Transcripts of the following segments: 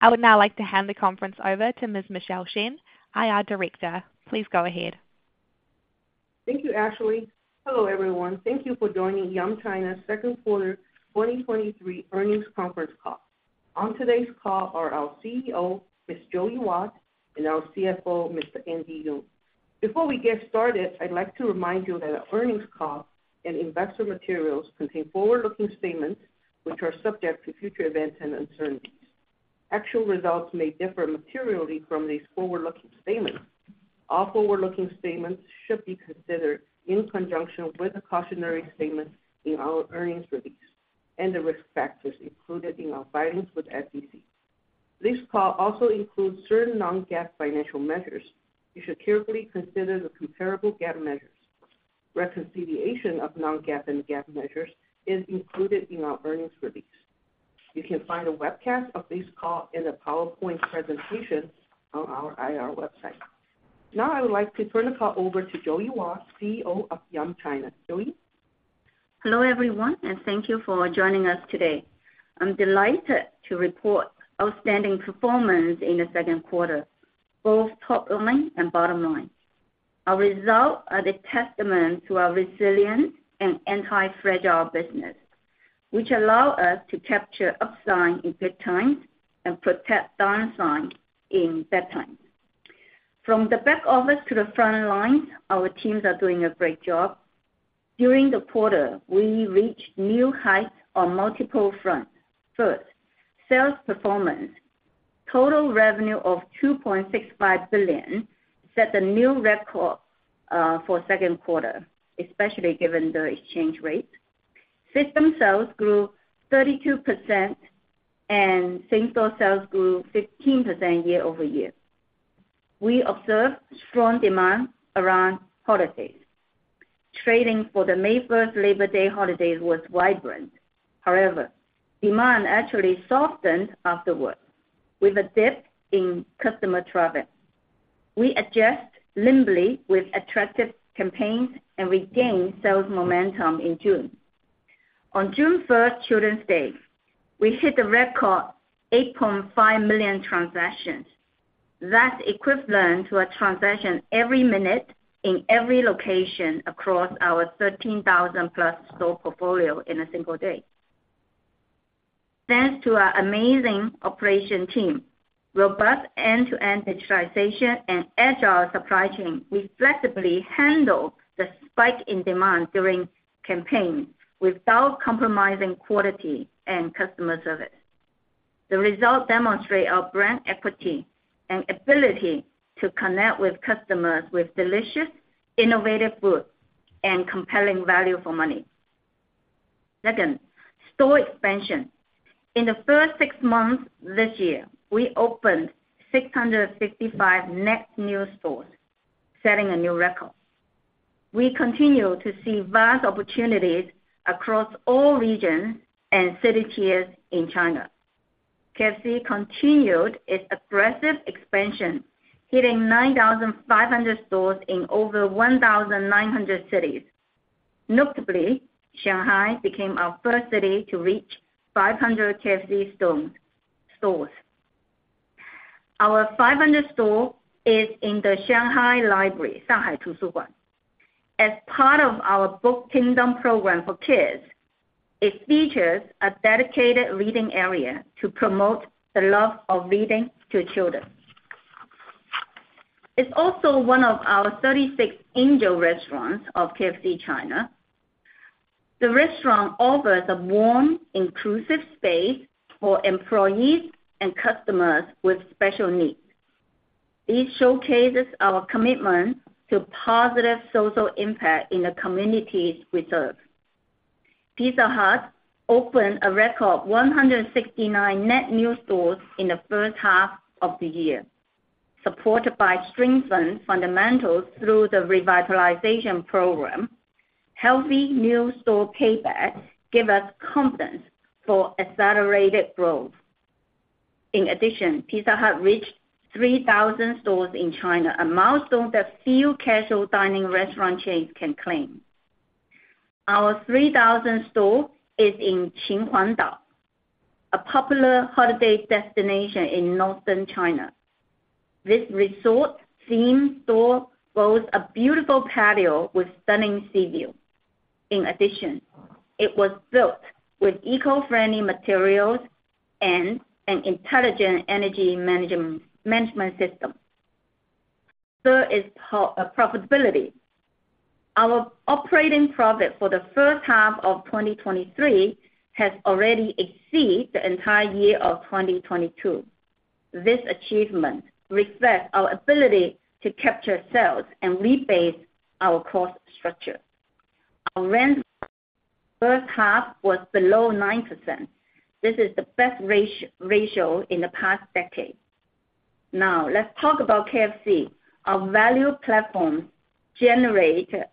I would now like to hand the conference over to Ms. Michelle Shen, IR Director. Please go ahead. Thank you, Ashley. Hello, everyone. Thank you for joining Yum China's second quarter 2023 earnings conference call. On today's call are our CEO, Ms. Joey Wat, and our CFO, Mr. Andy Yeung. Before we get started, I'd like to remind you that our earnings call and investor materials contain forward-looking statements which are subject to future events and uncertainties. Actual results may differ materially from these forward-looking statements. All forward-looking statements should be considered in conjunction with the cautionary statements in our earnings release and the risk factors included in our filings with the SEC. This call also includes certain non-GAAP financial measures. You should carefully consider the comparable GAAP measures. Reconciliation of non-GAAP and GAAP measures is included in our earnings release. You can find a webcast of this call and a PowerPoint presentation on our IR website. Now, I would like to turn the call over to Joey Wat, CEO of Yum China. Joey? Hello, everyone, and thank you for joining us today. I'm delighted to report outstanding performance in the second quarter, both top line and bottom line. Our results are a testament to our resilient and anti-fragile business, which allow us to capture upside in good times and protect downside in bad times. From the back office to the front line, our teams are doing a great job. During the quarter, we reached new heights on multiple fronts. First, sales performance. Total revenue of $2.65 billion set a new record for second quarter, especially given the exchange rate. System sales grew 32%, and same-store sales grew 15% year-over-year. We observed strong demand around holidays. Trading for the May 1st Labor Day holidays was vibrant. However, demand actually softened afterwards, with a dip in customer traffic. We adjust limberly with attractive campaigns and regained sales momentum in June. On June 1st, Children's Day, we hit a record 8.5 million transactions. That's equivalent to a transaction every minute in every location across our 13,000+ store portfolio in a single day. Thanks to our amazing operation team, robust end-to-end digitization and agile supply chain, we flexibly handled the spike in demand during campaign without compromising quality and customer service. The results demonstrate our brand equity and ability to connect with customers with delicious, innovative food and compelling value for money. Second, store expansion. In the first six months this year, we opened 665 net new stores, setting a new record. We continue to see vast opportunities across all regions and city tiers in China. KFC continued its aggressive expansion, hitting 9,500 stores in over 1,900 cities. Notably, Shanghai became our first city to reach 500 KFC stores. Our 500th store is in the Shanghai Library, Shanghai Tusuban. As part of our Book Kingdom program for kids, it features a dedicated reading area to promote the love of reading to children. It's also one of our 36 Angel Restaurants of KFC China. The restaurant offers a warm, inclusive space for employees and customers with special needs. This showcases our commitment to positive social impact in the communities we serve. Pizza Hut opened a record 169 net new stores in the first half of the year, supported by strengthened fundamentals through the revitalization program. Healthy new store payback give us confidence for accelerated growth. In addition, Pizza Hut reached 3,000 stores in China, a milestone that few casual dining restaurant chains can claim. Our 3,000th store is in Qinhuangdao, a popular holiday destination in northern China. This resort-themed store boasts a beautiful patio with stunning sea view. In addition, it was built with eco-friendly materials and an intelligent energy management, management system. Third is profitability. Our operating profit for the first half of 2023 has already exceeded the entire year of 2022. This achievement reflects our ability to capture sales and rebase our cost structure. Our rent, first half was below 9%. This is the best ratio, ratio in the past decade. Let's talk about KFC. Our value platform generated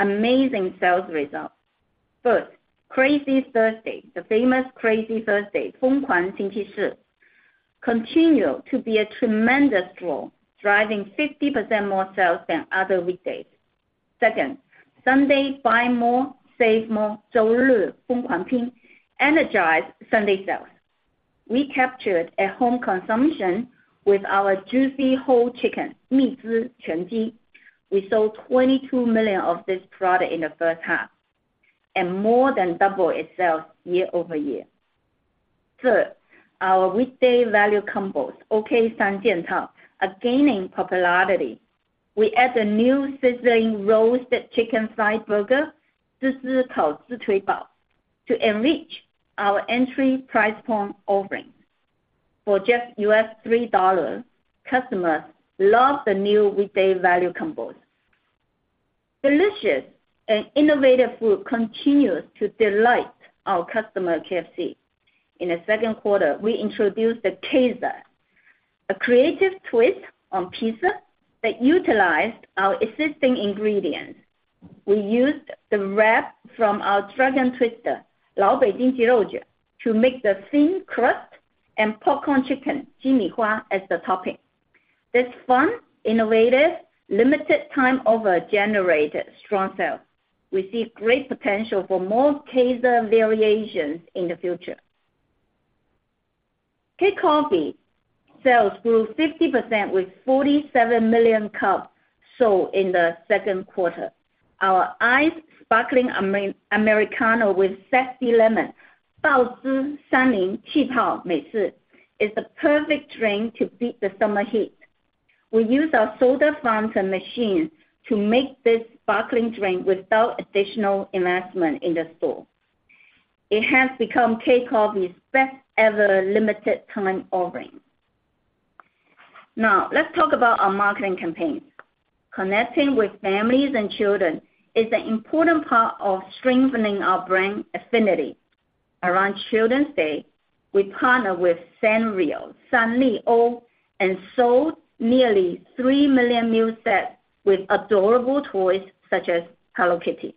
amazing sales results. First, Crazy Thursday, the famous Crazy Thursday, continue to be a tremendous draw, driving 50% more sales than other weekdays. Second, Sunday Buy More Save More energized Sunday sales. We captured a home consumption with our juicy whole chicken, meat chicken. We sold 22 million of this product in the first half, and more than double it sales year-over-year. Third, our weekday value combos, OK Sanjian Tao, are gaining popularity. We added a new sizzling roasted chicken fried burger to enrich our entry price point offerings. For just $3, customers love the new weekday value combos. Delicious and innovative food continues to delight our customer at KFC. In the second quarter, we introduced the Quesadilla, a creative twist on pizza that utilized our existing ingredients. We used the wrap from our Dragon Twister, Lao Beijing Ji Rou Juan, to make the thin crust and popcorn chicken, Jī Mǐ Huā, as the topping. This fun, innovative, limited time offer generated strong sales. We see great potential for more Quesadilla variations in the future. KCOFFEE sales grew 50% with 47 million cups sold in the second quarter. Our iced sparkling Americano with zesty lemon is the perfect drink to beat the summer heat. We use our soda fountain machine to make this sparkling drink without additional investment in the store. It has become KCOFFEE's best ever limited time offering. Let's talk about our marketing campaigns. Connecting with families and children is an important part of strengthening our brand affinity. Around Children's Day, we partnered with Sanrio and sold nearly $3 million meal sets with adorable toys such as Hello Kitty.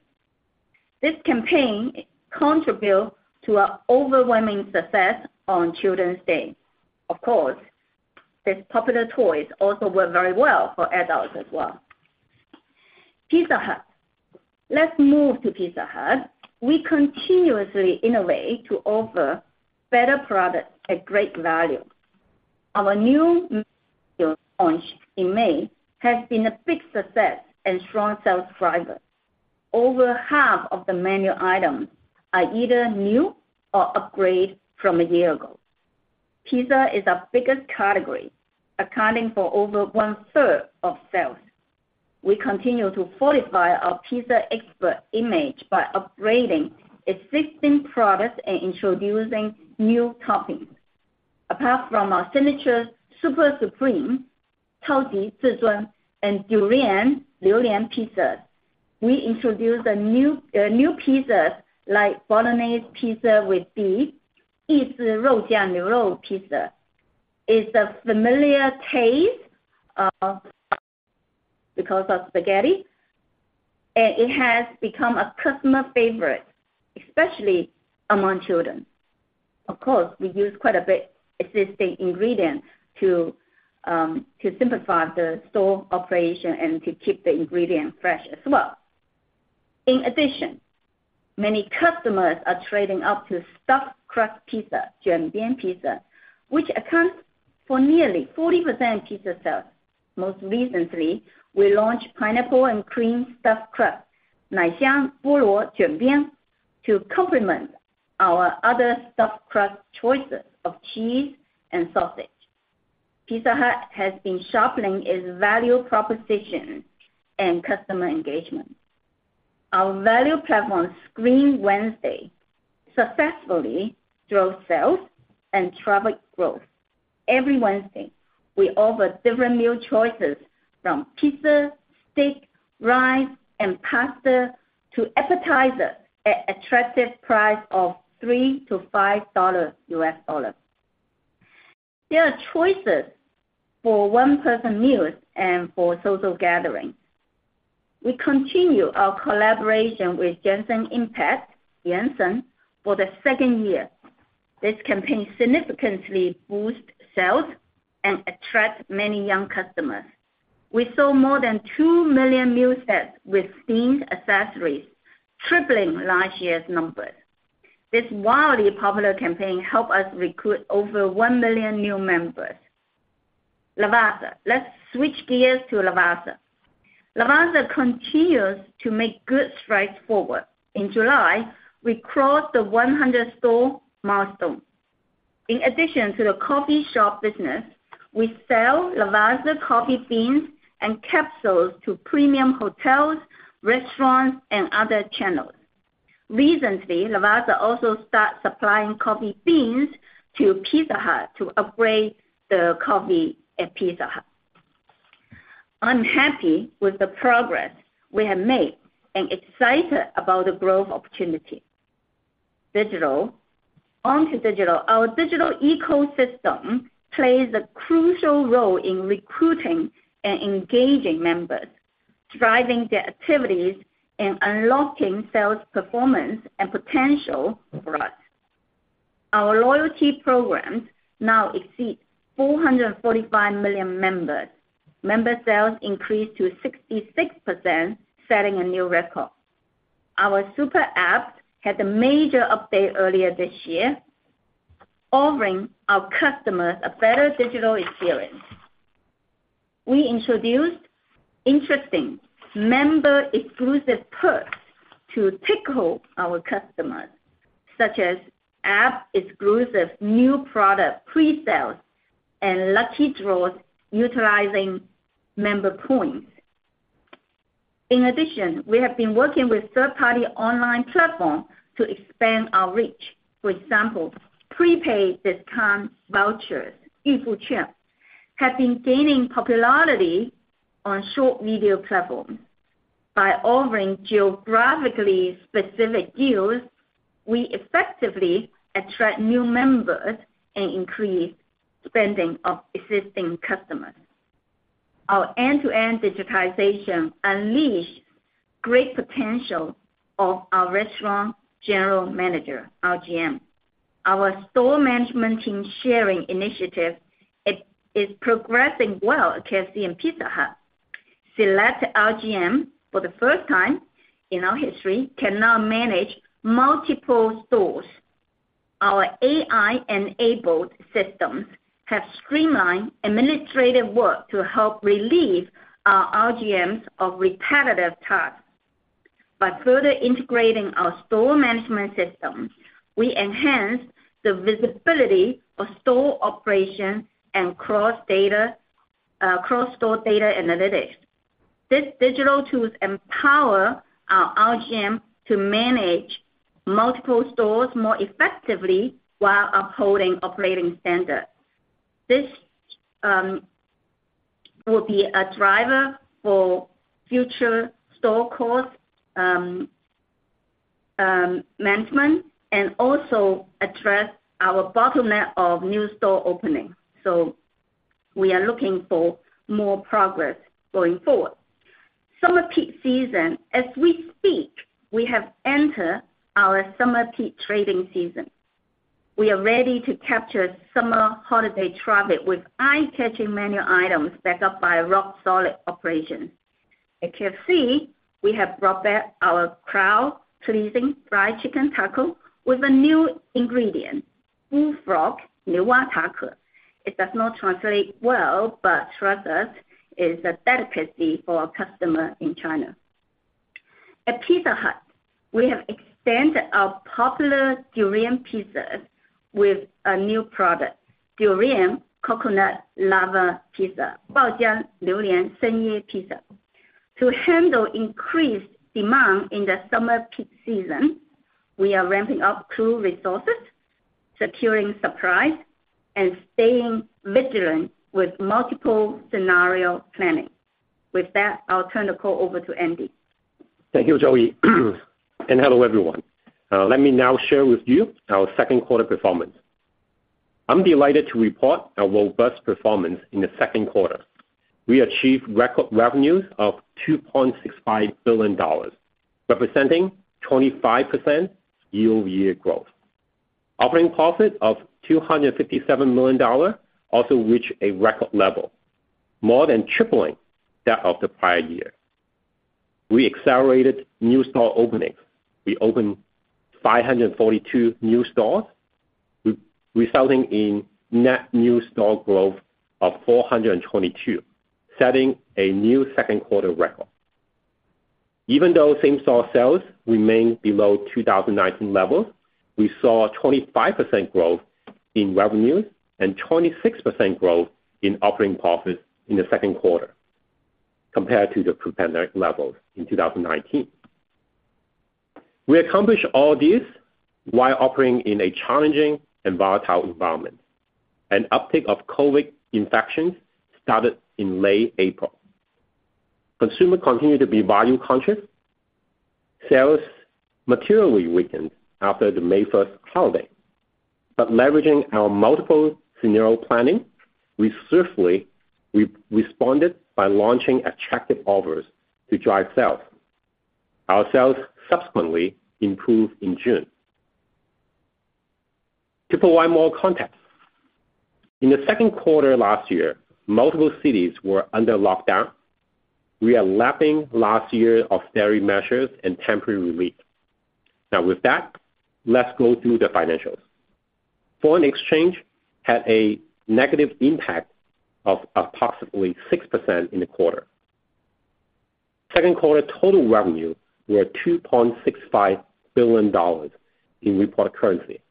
This campaign contribute to our overwhelming success on Children's Day. Of course, these popular toys also work very well for adults as well. Pizza Hut. Let's move to Pizza Hut. We continuously innovate to offer better products at great value. Our new launch in May has been a big success and strong sales driver. Over half of the menu items are either new or upgraded from a year ago. Pizza is our biggest category, accounting for over 1/3 of sales. We continue to fortify our pizza expert image by upgrading existing products and introducing new toppings. Apart from our signature Super Supreme, Tao Ji, Zi Zhuan, and Durian, Liu Lian pizzas, we introduced new pizzas like Bolognese pizza with beef, it's the Rou Jia Mo pizza. It's a familiar taste because of spaghetti, and it has become a customer favorite, especially among children. Of course, we use quite a bit existing ingredients to simplify the store operation and to keep the ingredients fresh as well. In addition, many customers are trading up to stuffed crust pizza, Juǎn Biān pizza, which accounts for nearly 40% pizza sales. Most recently, we launched pineapple and cream stuffed crust, Nǎi Xiāng Bōluó Juǎn Biān, to complement our other stuffed crust choices of cheese and sausage. Pizza Hut has been sharpening its value proposition and customer engagement. Our value platform, Screaming Wednesday, successfully drove sales and traffic growth. Every Wednesday, we offer different meal choices from pizza, steak, rice, and pasta to appetizers at attractive price of $3-$5. There are choices for one-person meals and for social gatherings. We continue our collaboration with Genshin Impact, Genshin, for the second year. This campaign significantly boost sales and attract many young customers. We sold more than 2 million meal sets with themed accessories, tripling last year's numbers. This wildly popular campaign helped us recruit over 1 million new members. Lavazza. Let's switch gears to Lavazza. Lavazza continues to make good strides forward. In July, we crossed the 100 store milestone. In addition to the coffee shop business, we sell Lavazza coffee beans and capsules to premium hotels, restaurants, and other channels. Recently, Lavazza also start supplying coffee beans to Pizza Hut to upgrade the coffee at Pizza Hut. I'm happy with the progress we have made and excited about the growth opportunity. Digital. On to digital. Our digital ecosystem plays a crucial role in recruiting and engaging members, driving their activities, and unlocking sales performance and potential for us. Our loyalty programs now exceed 445 million members. Member sales increased to 66%, setting a new record. Our super app had a major update earlier this year, offering our customers a better digital experience. We introduced interesting member exclusive perks to tickle our customers, such as app exclusive new product pre-sales and lucky draws utilizing member points. In addition, we have been working with third-party online platform to expand our reach. For example, prepaid discount vouchers, Yifuquan, have been gaining popularity on short video platforms. By offering geographically specific deals, we effectively attract new members and increase spending of existing customers. Our end-to-end digitization unleashed great potential of our restaurant general manager, RGM. Our store management team sharing initiative, it is progressing well at KFC and Pizza Hut. Select RGM, for the first time in our history, can now manage multiple stores. Our AI-enabled systems have streamlined administrative work to help relieve our RGMs of repetitive tasks. By further integrating our store management system, we enhance the visibility of store operations and cross data, cross-store data analytics. These digital tools empower our RGM to manage multiple stores more effectively while upholding operating standards. This will be a driver for future store cost management, and also address our bottleneck of new store openings. We are looking for more progress going forward. Summer peak season. As we speak, we have entered our summer peak trading season. We are ready to capture summer holiday traffic with eye-catching menu items backed up by a rock-solid operation. At KFC, we have brought back our crowd-pleasing fried chicken taco with a new ingredient, bullfrog, Niuwa taco. It does not translate well, but trust us, it's a delicacy for our customer in China. At Pizza Hut, we have extended our popular durian pizzas with a new product, durian coconut lava pizza, Baojiang durian pizza. To handle increased demand in the summer peak season, we are ramping up crew resources, securing supplies, and staying vigilant with multiple scenario planning. With that, I'll turn the call over to Andy. Thank you, Joey. Hello, everyone. Let me now share with you our second quarter performance. I'm delighted to report a robust performance in the second quarter. We achieved record revenues of $2.65 billion, representing 25% year-over-year growth. Operating profit of $257 million also reached a record level, more than tripling that of the prior year. We accelerated new store openings. We opened 542 new stores, resulting in net new store growth of 422, setting a new second quarter record. Even though same-store sales remained below 2019 levels, we saw a 25% growth in revenues and 26% growth in operating profit in the second quarter compared to the pre-pandemic levels in 2019. We accomplished all this while operating in a challenging and volatile environment. An uptick of COVID infections started in late April. Consumers continued to be value conscious. Sales materially weakened after the May 1st holiday. Leveraging our multiple scenario planning, we swiftly responded by launching attractive offers to drive sales. Our sales subsequently improved in June. To provide more context, in the second quarter last year, multiple cities were under lockdown. We are lapping last year of stringent measures and temporary relief. With that, let's go through the financials. Foreign exchange had a negative impact of approximately 6% in the quarter. Second quarter total revenue were $2.65 billion in reported currency,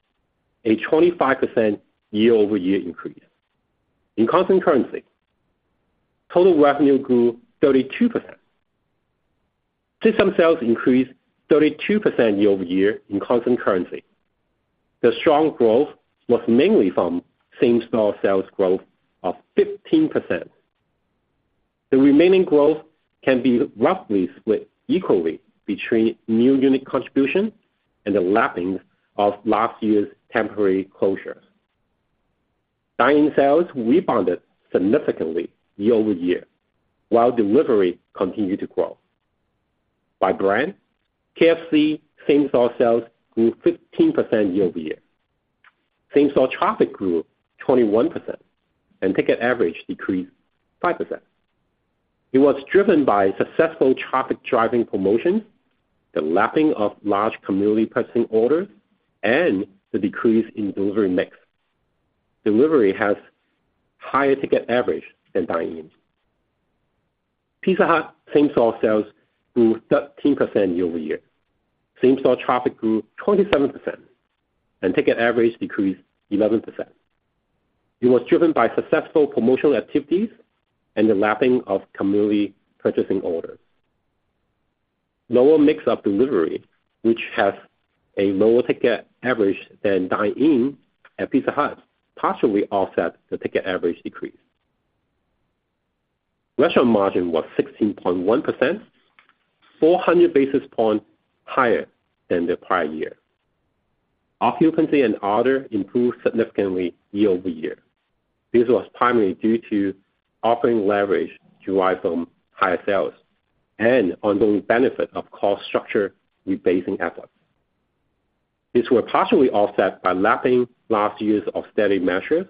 a 25% year-over-year increase. In constant currency, total revenue grew 32%. System sales increased 32% year-over-year in constant currency. The strong growth was mainly from same-store sales growth of 15%. The remaining growth can be roughly split equally between new unit contribution and the lapping of last year's temporary closures. Dine-in sales rebounded significantly year-over-year, while delivery continued to grow. By brand, KFC same-store sales grew 15% year-over-year. Same-store traffic grew 21%, ticket average decreased 5%. It was driven by successful traffic-driving promotions, the lapping of large community purchasing orders, and the decrease in delivery mix. Delivery has higher ticket average than dine-in. Pizza Hut same-store sales grew 13% year-over-year. Same-store traffic grew 27%, ticket average decreased 11%. It was driven by successful promotional activities and the lapping of community purchasing orders. Lower mix of delivery, which has a lower ticket average than dine-in at Pizza Hut, partially offset the ticket average decrease. Restaurant margin was 16.1%, 400 basis points higher than the prior year. Occupancy and order improved significantly year-over-year. This was primarily due to operating leverage derived from higher sales and ongoing benefit of cost structure rebasing efforts. These were partially offset by lapping last year's austerity measures,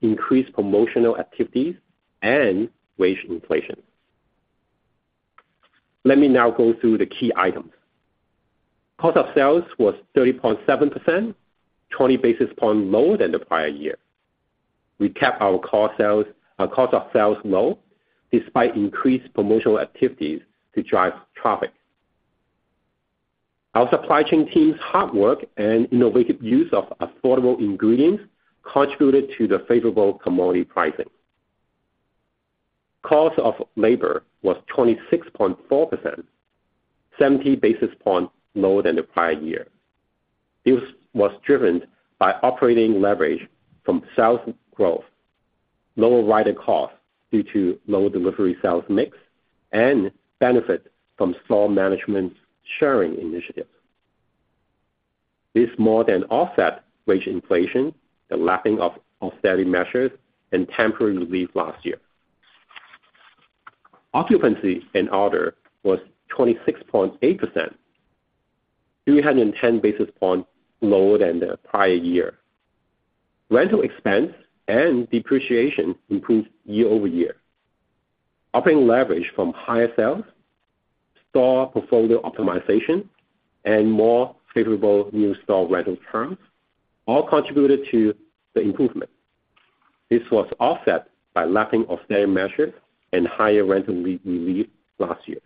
increased promotional activities, and wage inflation. Let me now go through the key items. Cost of sales was 30.7%, 20 basis points lower than the prior year. We kept our cost sales, our cost of sales low, despite increased promotional activities to drive traffic. Our supply chain team's hard work and innovative use of affordable ingredients contributed to the favorable commodity pricing. Cost of labor was 26.4%, 70 basis points lower than the prior year. This was driven by operating leverage from sales growth, lower rider costs due to lower delivery sales mix, and benefit from store management's sharing initiatives. This more than offset wage inflation, the lapping of austerity measures, and temporary relief last year. Occupancy and order was 26.8%, 310 basis points lower than the prior year. Rental expense and depreciation improved year-over-year. Operating leverage from higher sales, store portfolio optimization, and more favorable new store rental terms, all contributed to the improvement. This was offset by lapping austerity measures and higher rental relief last year.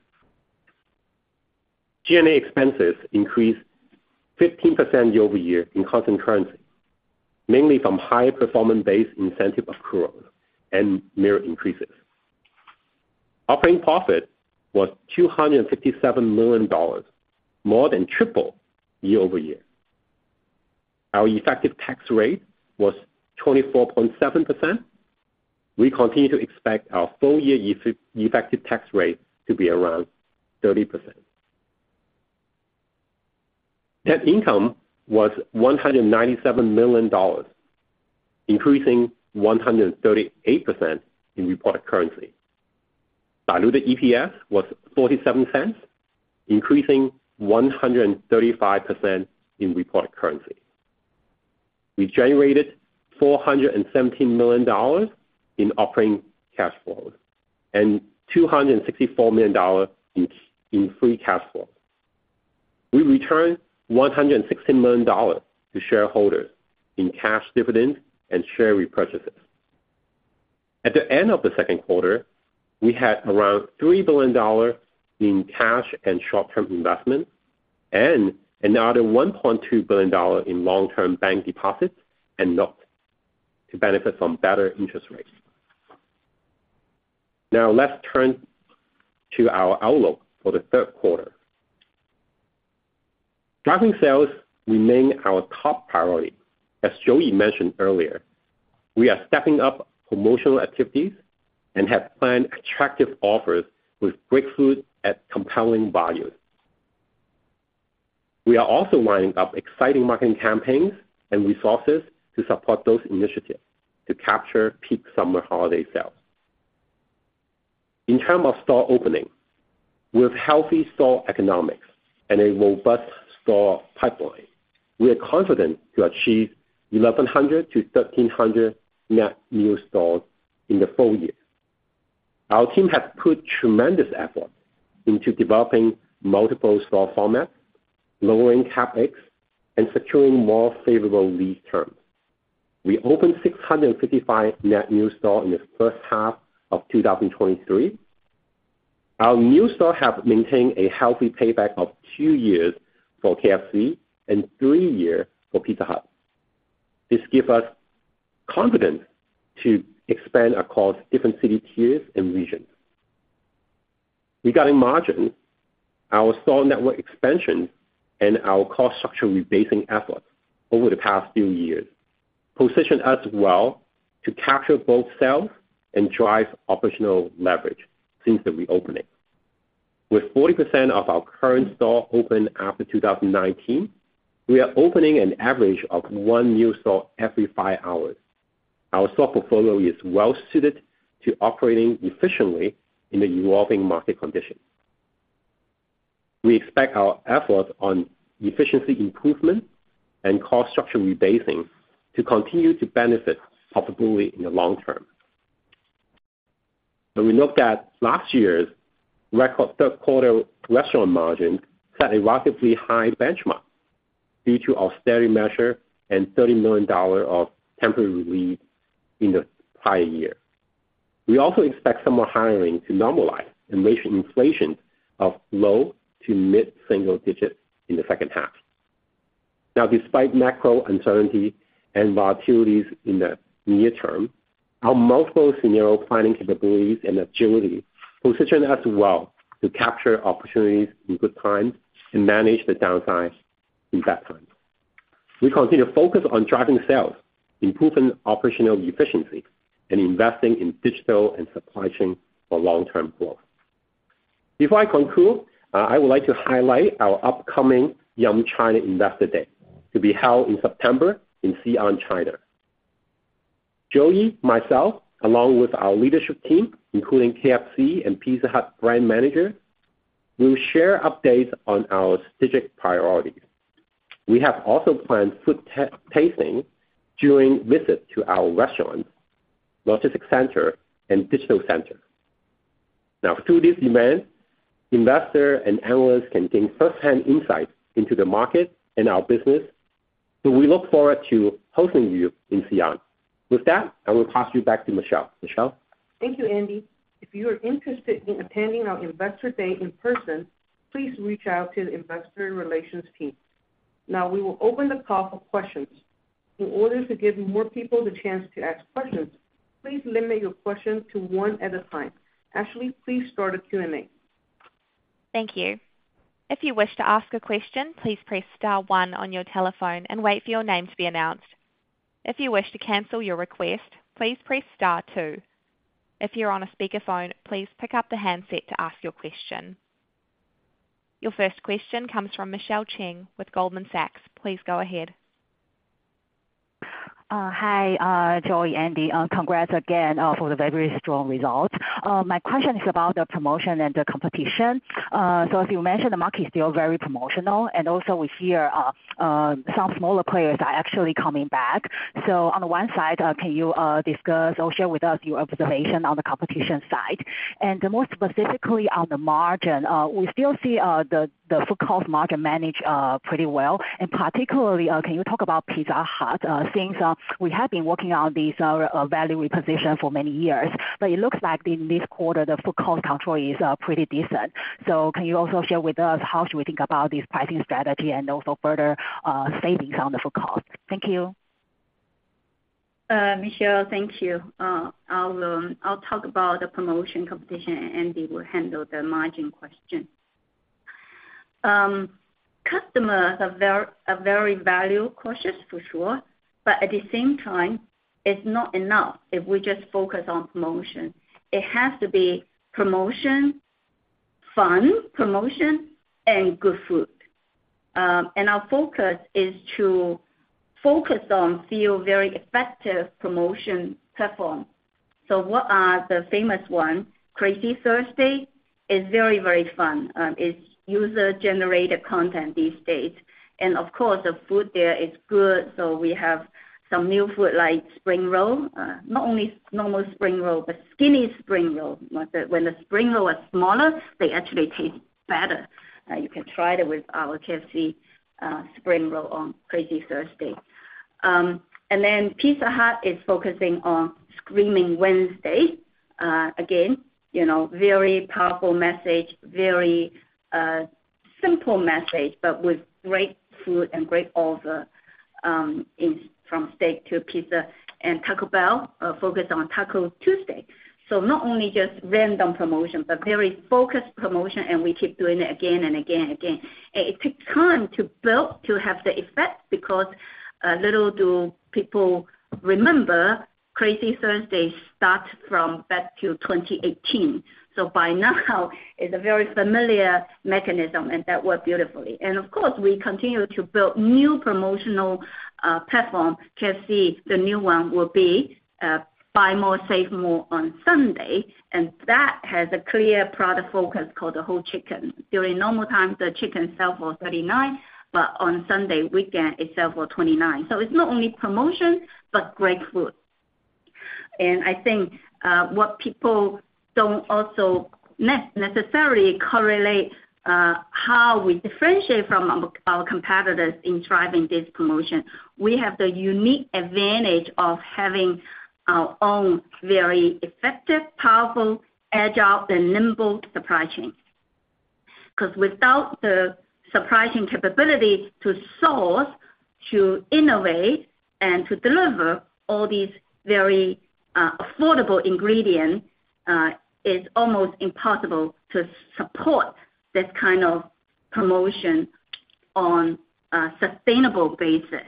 G&A expenses increased 15% year-over-year in constant currency, mainly from high-performance-based incentive accrual and mere increases. Operating profit was $257 million, more than triple year-over-year. Our effective tax rate was 24.7%. We continue to expect our full year effective tax rate to be around 30%. Net income was $197 million, increasing 138% in reported currency. Diluted EPS was $0.47, increasing 135% in reported currency. We generated $417 million in operating cash flow and $264 million in free cash flow. We returned $160 million to shareholders in cash dividends and share repurchases. At the end of the second quarter, we had around $3 billion in cash and short-term investments, and another $1.2 billion in long-term bank deposits and notes to benefit from better interest rates. Now, let's turn to our outlook for the third quarter. Driving sales remain our top priority. As Joey mentioned earlier, we are stepping up promotional activities and have planned attractive offers with great food at compelling values. We are also lining up exciting marketing campaigns and resources to support those initiatives to capture peak summer holiday sales. In term of store openings, with healthy store economics and a robust store pipeline, we are confident to achieve 1,100-1,300 net new stores in the full year. Our team has put tremendous effort into developing multiple store formats, lowering CapEx, and securing more favorable lease terms. We opened 655 net new stores in the first half of 2023. Our new stores have maintained a healthy payback of two years for KFC and three years for Pizza Hut. This give us confidence to expand across different city tiers and regions. Regarding margins, our store network expansion and our cost structure rebasing efforts over the past few years, position us well to capture both sales and drive operational leverage since the reopening. With 40% of our current store open after 2019, we are opening an average of one new store every five hours. Our store portfolio is well suited to operating efficiently in the evolving market conditions. We expect our efforts on efficiency improvement and cost structure rebasing to continue to benefit profitably in the long term. When we look at last year's record third quarter restaurant margin, set a relatively high benchmark due to our sales-boosting measures and $30 million of temporary relief in the prior year. We also expect some more hiring to normalize and wage inflation of low to mid-single digits in the second half. Now, despite macro uncertainty and volatilities in the near term, our multiple scenario planning capabilities and agility position us well to capture opportunities in good times and manage the downsides in bad times. We continue to focus on driving sales, improving operational efficiency, and investing in digital and supply chain for long-term growth. Before I conclude, I would like to highlight our upcoming Yum China Investor Day, to be held in September in Xi'an, China. Joey, myself, along with our leadership team, including KFC and Pizza Hut brand managers, will share updates on our strategic priorities. We have also planned food tasting during visit to our restaurants, logistics center, and digital center. Through this event, investors and analysts can gain firsthand insights into the market and our business, so we look forward to hosting you in Xi'an. With that, I will pass you back to Michelle. Michelle? Thank you, Andy. If you are interested in attending our Investor Day in person, please reach out to the investor relations team. Now, we will open the call for questions. In order to give more people the chance to ask questions, please limit your questions to one at a time. Ashley, please start the Q&A. Thank you. If you wish to ask a question, please press star one on your telephone and wait for your name to be announced. If you wish to cancel your request, please press star two. If you're on a speakerphone, please pick up the handset to ask your question. Your first question comes from Michelle Cheng with Goldman Sachs. Please go ahead. Hi, Joey, Andy, congrats again for the very strong results. My question is about the promotion and the competition. As you mentioned, the market is still very promotional, and also we hear some smaller players are actually coming back. So on the one side, can you discuss or share with us your observation on the competition side? And more specifically on the margin, we still see the food cost margin managed pretty well. And particularly, can you talk about Pizza Hut? Since we have been working on this value reposition for many years, but it looks like in this quarter, the food cost control is pretty decent. Can you also share with us how should we think about this pricing strategy and also further savings on the food cost? Thank you. Michelle, thank you. I'll talk about the promotion competition, and Andy will handle the margin question. Customers are very, are very value-conscious for sure, but at the same time, it's not enough if we just focus on promotion. It has to be promotion, fun promotion, and good food. Our focus is to focus on few very effective promotion platform. What are the famous one? Crazy Thursday is very, very fun. It's user-generated content these days. Of course, the food there is good, so we have some new food like spring roll. Not only normal spring roll, but skinny spring roll. When the spring roll are smaller, they actually taste better. You can try it with our KFC spring roll on Crazy Thursday. Then Pizza Hut is focusing on Screaming Wednesday. Again, you know, very powerful message, very simple message, but with great food and great offer, in, from steak to pizza. Taco Bell focus on Taco Tuesday. Not only just random promotion, but very focused promotion, and we keep doing it again and again, and again. It takes time to build, to have the effect, because little do people remember, Crazy Thursday start from back to 2018. By now is a very familiar mechanism, and that worked beautifully. Of course, we continue to build new promotional platform. KFC, the new one will be Buy More, Save More on Sunday, and that has a clear product focus called the Whole Chicken. During normal times, the chicken sell for $39, but on Sunday weekend, it sell for $29. It's not only promotion, but great food. I think what people don't also necessarily correlate, how we differentiate from our competitors in driving this promotion. We have the unique advantage of having our own very effective, powerful, agile, and nimble supply chain. Because without the supply chain capability to source, to innovate, and to deliver all these very affordable ingredients, it's almost impossible to support this kind of promotion on a sustainable basis.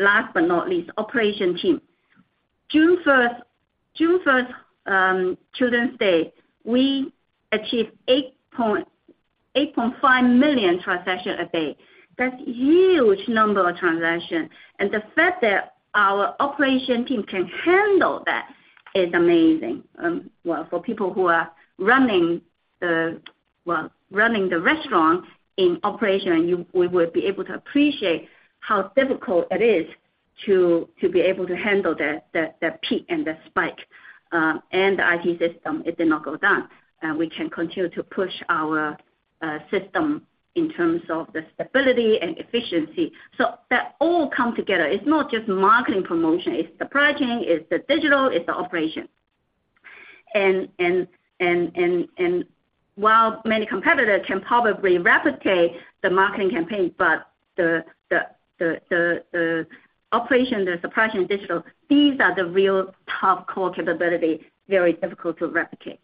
Last but not least, operation team. June 1st, Children's Day, we achieved 8.5 million transaction a day. That's huge number of transaction! The fact that our operation team can handle that is amazing. Well, for people who are running the restaurant in operation, we would be able to appreciate how difficult it is to be able to handle the peak and the spike. The IT system, it did not go down. We can continue to push our system in terms of the stability and efficiency. That all come together. It's not just marketing promotion, it's the pricing, it's the digital, it's the operation. While many competitors can probably replicate the marketing campaign, but the operation, the suppression digital, these are the real top core capability, very difficult to replicate.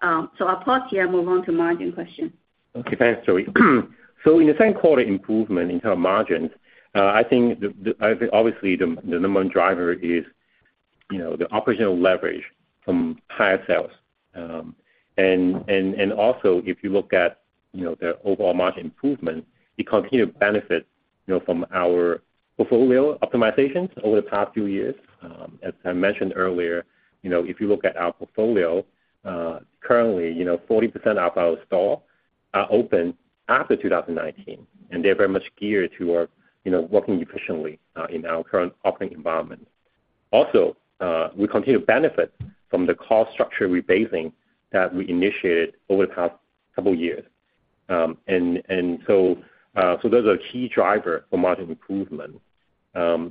I'll pause here and move on to margin question. Okay, thanks, Joey. In the same quarter, improvement in term margins, I think obviously, the number one driver is, you know, the operational leverage from higher sales. Also, if you look at, you know, the overall margin improvement, we continue to benefit, you know, from our portfolio optimizations over the past few years. As I mentioned earlier, you know, if you look at our portfolio, currently, you know, 40% of our store are open after 2019, and they're very much geared to our, you know, working efficiently in our current operating environment. Also, we continue to benefit from the cost structure rebasing that we initiated over the past couple years. Those are key driver for margin improvement. I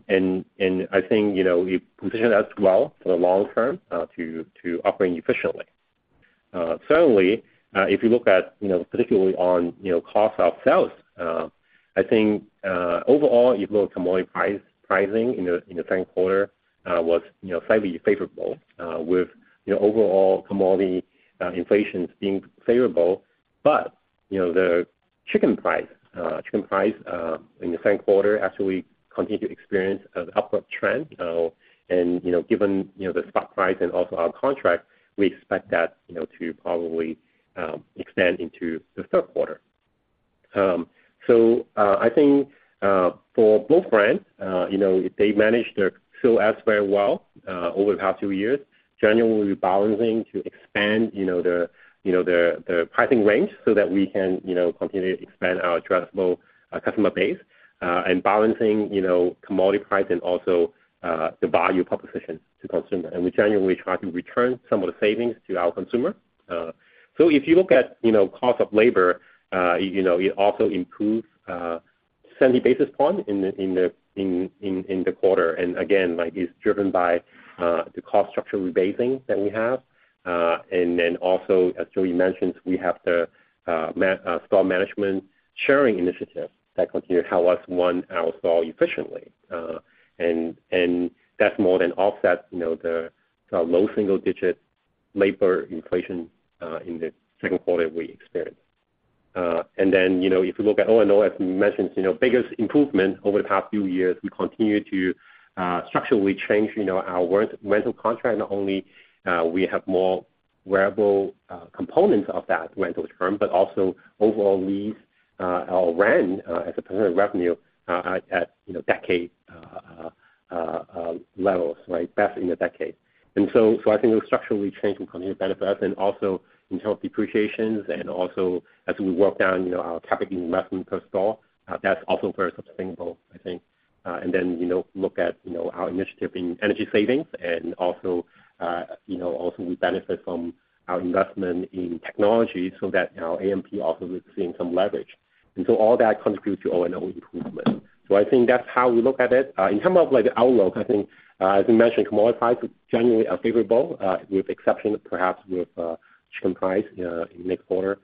think, you know, we position us well for the long term to operate efficiently. Certainly, if you look at, you know, particularly on, you know, cost of sales, I think, overall, if you look at commodity price, pricing in the, in the same quarter, was, you know, slightly favorable, with, you know, overall commodity inflations being favorable. You know, the chicken price, chicken price, in the second quarter, actually, we continue to experience an upward trend. You know, given, you know, the stock price and also our contract, we expect that, you know, to probably extend into the third quarter. I think, for both brands, you know, they managed their fill outs very well over the past two years. Generally, we're balancing to expand, you know, the, you know, the, the pricing range so that we can, you know, continue to expand our addressable customer base. Balancing, you know, commodity price and also the value proposition to consumer. We generally try to return some of the savings to our consumer. So if you look at, you know, cost of labor, you know, it also improves 70 basis points in the quarter. Again, like, it's driven by the cost structure rebasing that we have. Then also, as Joey mentioned, we have the store management sharing initiative that continue to help us run our store efficiently. That's more than offset, you know, the, the low single digit labor inflation in the second quarter we experienced. Then, you know, if you look at O&O, as mentioned, you know, biggest improvement over the past few years, we continue to structurally change, you know, our rental contract. Not only we have more variable components of that rental term, but also overall lease, our rent as a % of revenue at, you know, decade levels, like best in the decade. So I think we're structurally changing from benefit and also in health depreciations, and also as we work down, you know, our capital investment per store, that's also very sustainable, I think. Then, you know, look at, you know, our initiative in energy savings and also, you know, also we benefit from our investment in technology so that our AMP also is seeing some leverage. So all that contributes to O&O improvement. I think that's how we look at it. In term of like the outlook, I think, as we mentioned, commodity prices generally are favorable, with exception perhaps with chicken price in next quarter.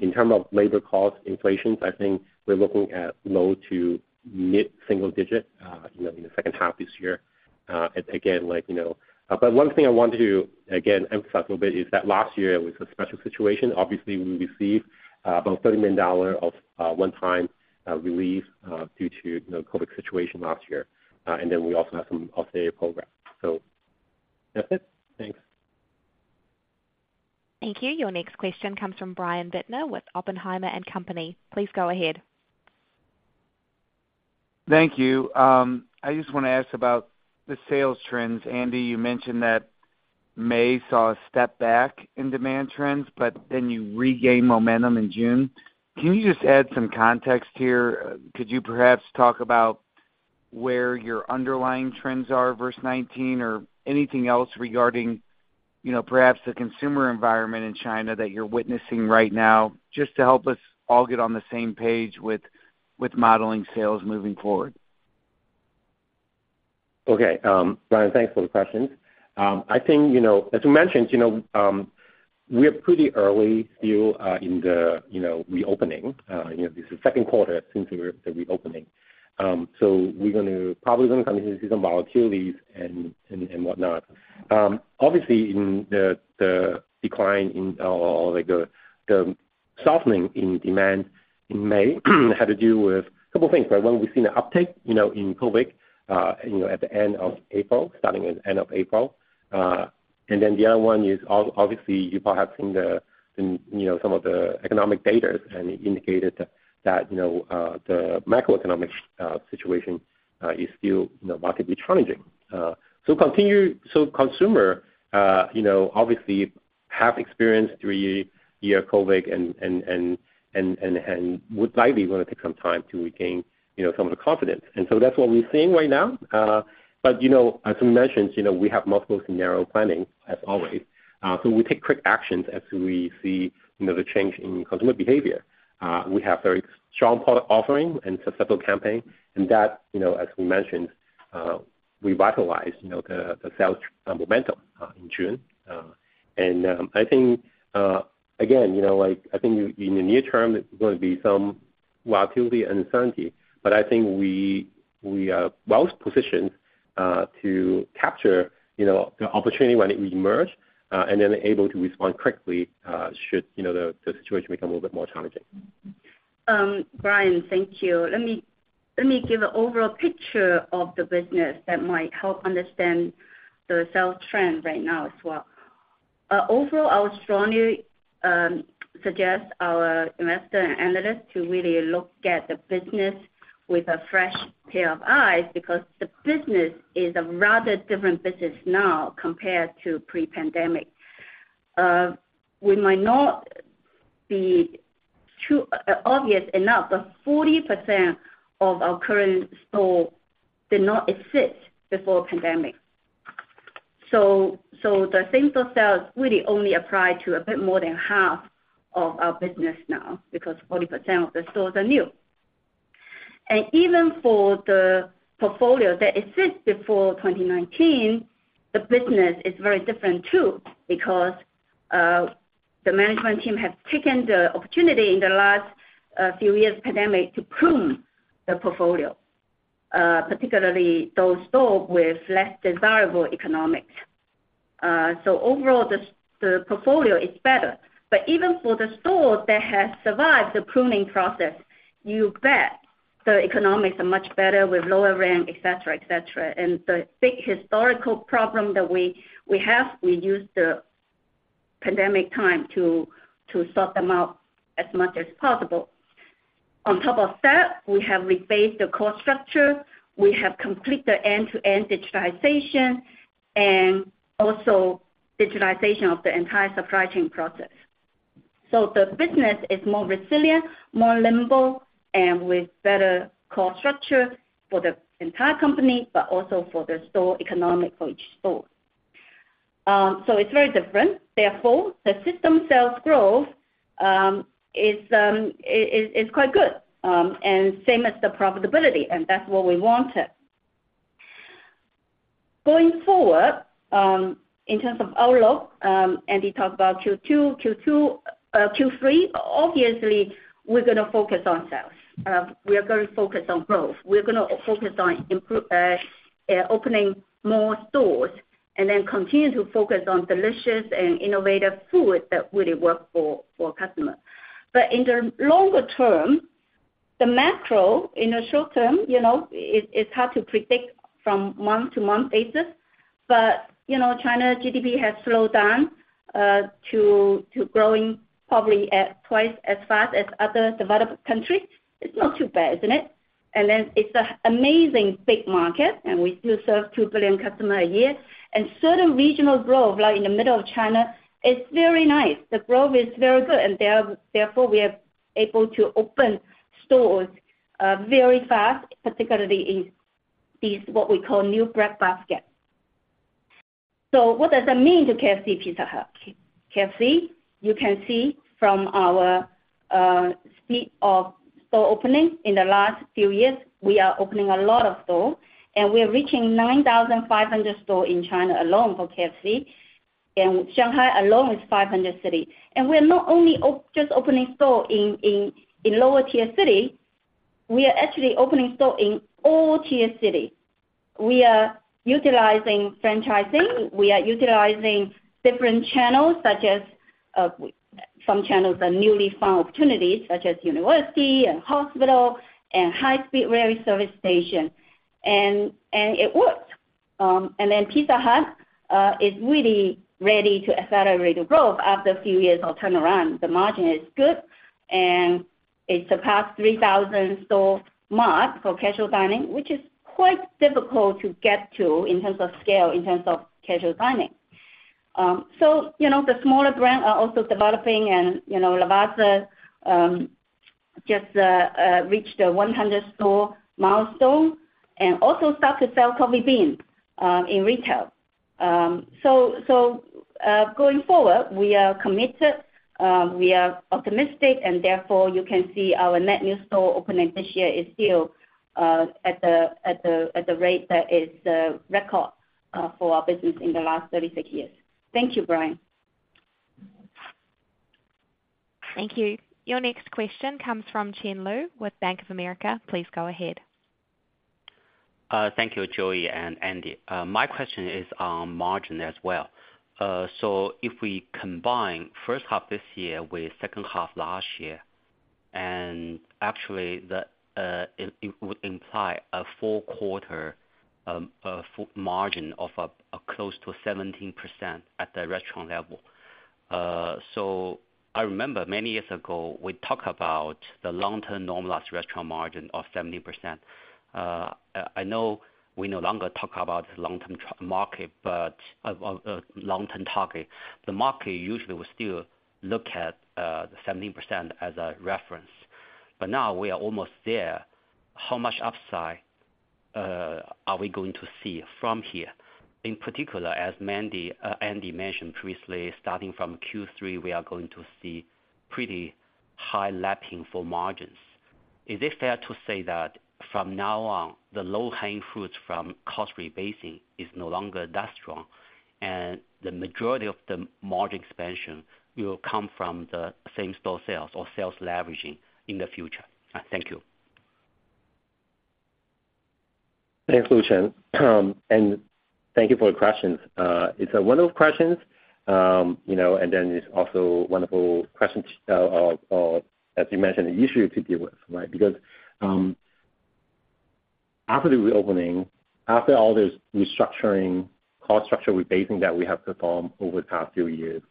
In term of labor cost inflations, I think we're looking at low to mid single-digit, you know, in the second half this year. Again, one thing I want to, again, emphasize a little bit, is that last year was a special situation. Obviously, we received about $30 million of one-time relief due to the COVID situation last year. Then we also have some auxiliary programs. That's it. Thanks. Thank you. Your next question comes from Brian Bittner with Oppenheimer and Company. Please go ahead. Thank you. I just wanna ask about the sales trends. Andy, you mentioned that May saw a step back in demand trends, then you regained momentum in June. Can you just add some context here? Could you perhaps talk about where your underlying trends are versus 2019, or anything else regarding, you know, perhaps the consumer environment in China that you're witnessing right now, just to help us all get on the same page with, with modeling sales moving forward? Okay. Brian, thanks for the question. I think, you know, as we mentioned, you know, we are pretty early still in the, you know, reopening. You know, this is the second quarter since the reopening. We're going to probably going to continue to see some volatility and, and, and whatnot. Obviously, in the decline in or, like, the softening in demand in May had to do with a couple things, right? One, we've seen an uptick, you know, in COVID, you know, at the end of April, starting at the end of April. The other one is obviously, you perhaps seen the, you know, some of the economic data, and it indicated that, you know, the macroeconomic situation is still, you know, markedly challenging. So consumer, you know, obviously have experienced three-year COVID and would likely want to take some time to regain, you know, some of the confidence. That's what we're seeing right now. As we mentioned, you know, we have multiple scenario planning, as always. We take quick actions as we see, you know, the change in consumer behavior. We have very strong product offering and successful campaign, and that, you know, as we mentioned, revitalize, you know, the sales momentum in June. I think, again, you know, like, I think in the near term, it's gonna be some volatility and uncertainty, but I think we are well positioned, to capture, you know, the opportunity when it will emerge, and then able to respond quickly, should, you know, the, situation become a little bit more challenging. Brian, thank you. Let me, let me give an overall picture of the business that might help understand the sales trend right now as well. Overall, I would strongly suggest our investor and analyst to really look at the business with a fresh pair of eyes, because the business is a rather different business now compared to pre-pandemic. We might not be too obvious enough, but 40% of our current store did not exist before pandemic. The same store sales really only apply to a bit more than half of our business now, because 40% of the stores are new. Even for the portfolio that exists before 2019, the business is very different, too, because the management team has taken the opportunity in the last few years pandemic to prune the portfolio, particularly those stores with less desirable economics. Overall, the portfolio is better. Even for the stores that have survived the pruning process, you bet the economics are much better with lower rent, et cetera, et cetera. The big historical problem that we use the pandemic time to sort them out as much as possible. On top of that, we have rebased the cost structure. We have completed the end-to-end digitization and also digitalization of the entire supply chain process. The business is more resilient, more nimble, and with better cost structure for the entire company, but also for the store economic for each store. It's very different. The system sales growth is quite good, and same as the profitability, and that's what we wanted. Going forward, in terms of outlook, Andy talked about Q2, Q3. Obviously, we're gonna focus on sales. We are going to focus on growth. We're gonna focus on opening more stores and then continue to focus on delicious and innovative food that really work for customers. In the longer term, the macro, in the short term, you know, it's hard to predict from month to month basis. you know, China GDP has slowed down, to, to growing probably at twice as fast as other developed countries. It's not too bad, isn't it? Then it's an amazing big market, and we still serve 2 billion customers a year. Certain regional growth, like in the middle of China, is very nice. The growth is very good, and there, therefore, we are able to open stores, very fast, particularly in these, what we call, new breadbasket. What does that mean to KFC Pizza Hut? KFC, you can see from our, speed of store opening in the last few years, we are opening a lot of stores, and we are reaching 9,500 stores in China alone for KFC, and Shanghai alone is 500 cities. We are not only just opening stores in lower tier cities, we are actually opening stores in all tier cities. We are utilizing franchising. We are utilizing different channels, such as some channels are newly found opportunities, such as university and hospital and high-speed railway service station. It works. Pizza Hut is really ready to accelerate the growth after a few years of turnaround. The margin is good, and it surpassed 3,000 store mark for casual dining, which is quite difficult to get to in terms of scale, in terms of casual dining. You know, the smaller brands are also developing and, you know, Lavazza just reached a 100 store milestone and also start to sell coffee beans in retail. Going forward, we are committed, we are optimistic, and therefore you can see our net new store opening this year is still at the, at the, at the rate that is record for our business in the last 36 years. Thank you, Brian. Thank you. Your next question comes from Vicky Liu with Bank of America. Please go ahead. Thank you, Joey and Andy. My question is on margin as well. If we combine first half this year with second half last year, and actually, it would imply a full quarter margin of a close to 17% at the restaurant level. I remember many years ago, we talk about the long-term normalized restaurant margin of 70%. I know we no longer talk about long-term market, but long-term target, the market usually will still look at the 17% as a reference. Now we are almost there. How much upside are we going to see from here? In particular, as Andy mentioned previously, starting from Q3, we are going to see pretty high lapping for margins. Is it fair to say that from now on, the low-hanging fruits from cost rebasing is no longer that strong, and the majority of the margin expansion will come from the same-store sales or sales leveraging in the future? Thank you. Thanks, Liu. Thank you for the questions. It's a wonderful questions, you know. It's also wonderful questions, as you mentioned, the issue to deal with, right? After the reopening, after all this restructuring, cost structure rebasing that we have performed over the past few years,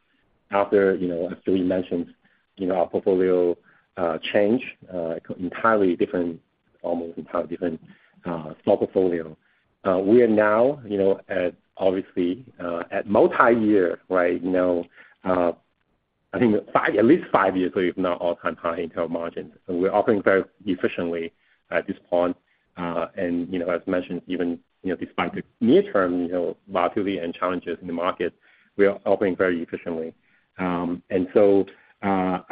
after, you know, as we mentioned, you know, our portfolio change, entirely different, almost entirely different, store portfolio. We are now, you know, at obviously, at multi-year, right now, I think five, at least five years, if not all-time high in terms of margin. We're operating very efficiently at this point. You know, as mentioned, even, you know, despite the near term, you know, volatility and challenges in the market, we are operating very efficiently. I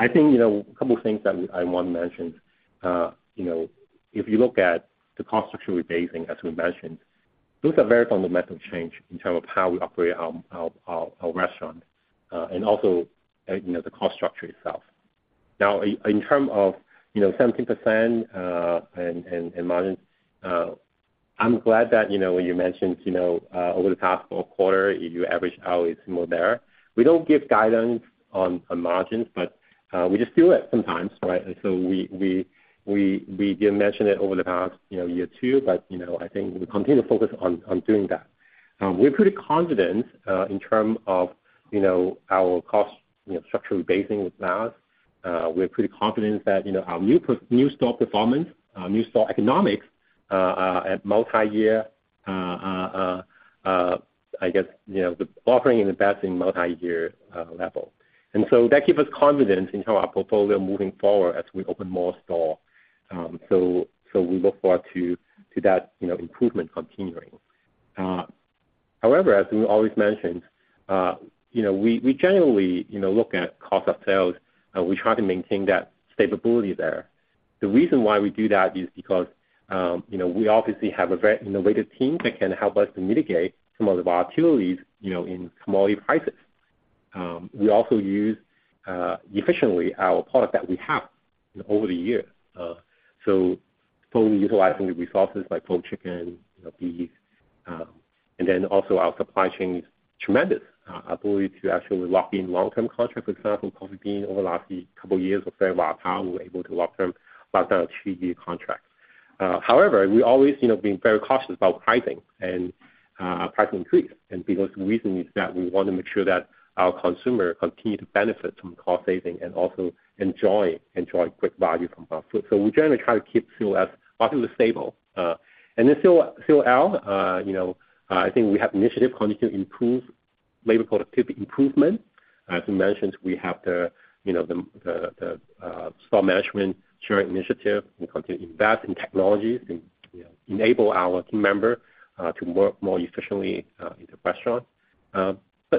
think, you know, a couple things that I want to mention. You know, if you look at the cost structure rebasing, as we mentioned, those are very fundamental change in terms of how we operate our, our, our, our restaurant, and also, you know, the cost structure itself. Now, in term of, you know, 17%, and margin, I'm glad that, you know, when you mentioned, you know, over the past four quarter, you average out, it's more there. We don't give guidance on, on margins, but, we just do it sometimes, right? We did mention it over the past, you know, year or two, but, you know, I think we continue to focus on, on doing that. We're pretty confident, in term of, you know, our cost, you know, structural rebasing with that. We're pretty confident that, you know, our new per- new store performance, our new store economics, at multi-year, I guess, you know, the offering and investing multi-year, level. That give us confidence in how our portfolio moving forward as we open more store. We look forward to, to that, you know, improvement continuing. However, as we always mentioned, you know, we generally, you know, look at cost of sales, and we try to maintain that stability there. The reason why we do that is because, you know, we obviously have a very innovative team that can help us to mitigate some of the volatilities, know, in commodity prices. We also use efficiently our product that we have over the years. Fully utilizing the resources like whole chicken, you know, beef, and then also our supply chain is tremendous. Ability to actually lock in long-term contract, for example, coffee bean over the last two years, for a very long time, we were able to long-term lock down a three-year contract. However, we always, you know, being very cautious about pricing and price increase, because the reason is that we want to make sure that our consumer continue to benefit from cost saving and also enjoy, enjoy great value from our food. We generally try to keep fuel as, relatively stable. Still, still, you know, I think we have initiative continue to improve labor productivity improvement. As you mentioned, we have the, you know, the store management sharing initiative and continue to invest in technologies and, you know, enable our team member to work more efficiently in the restaurant.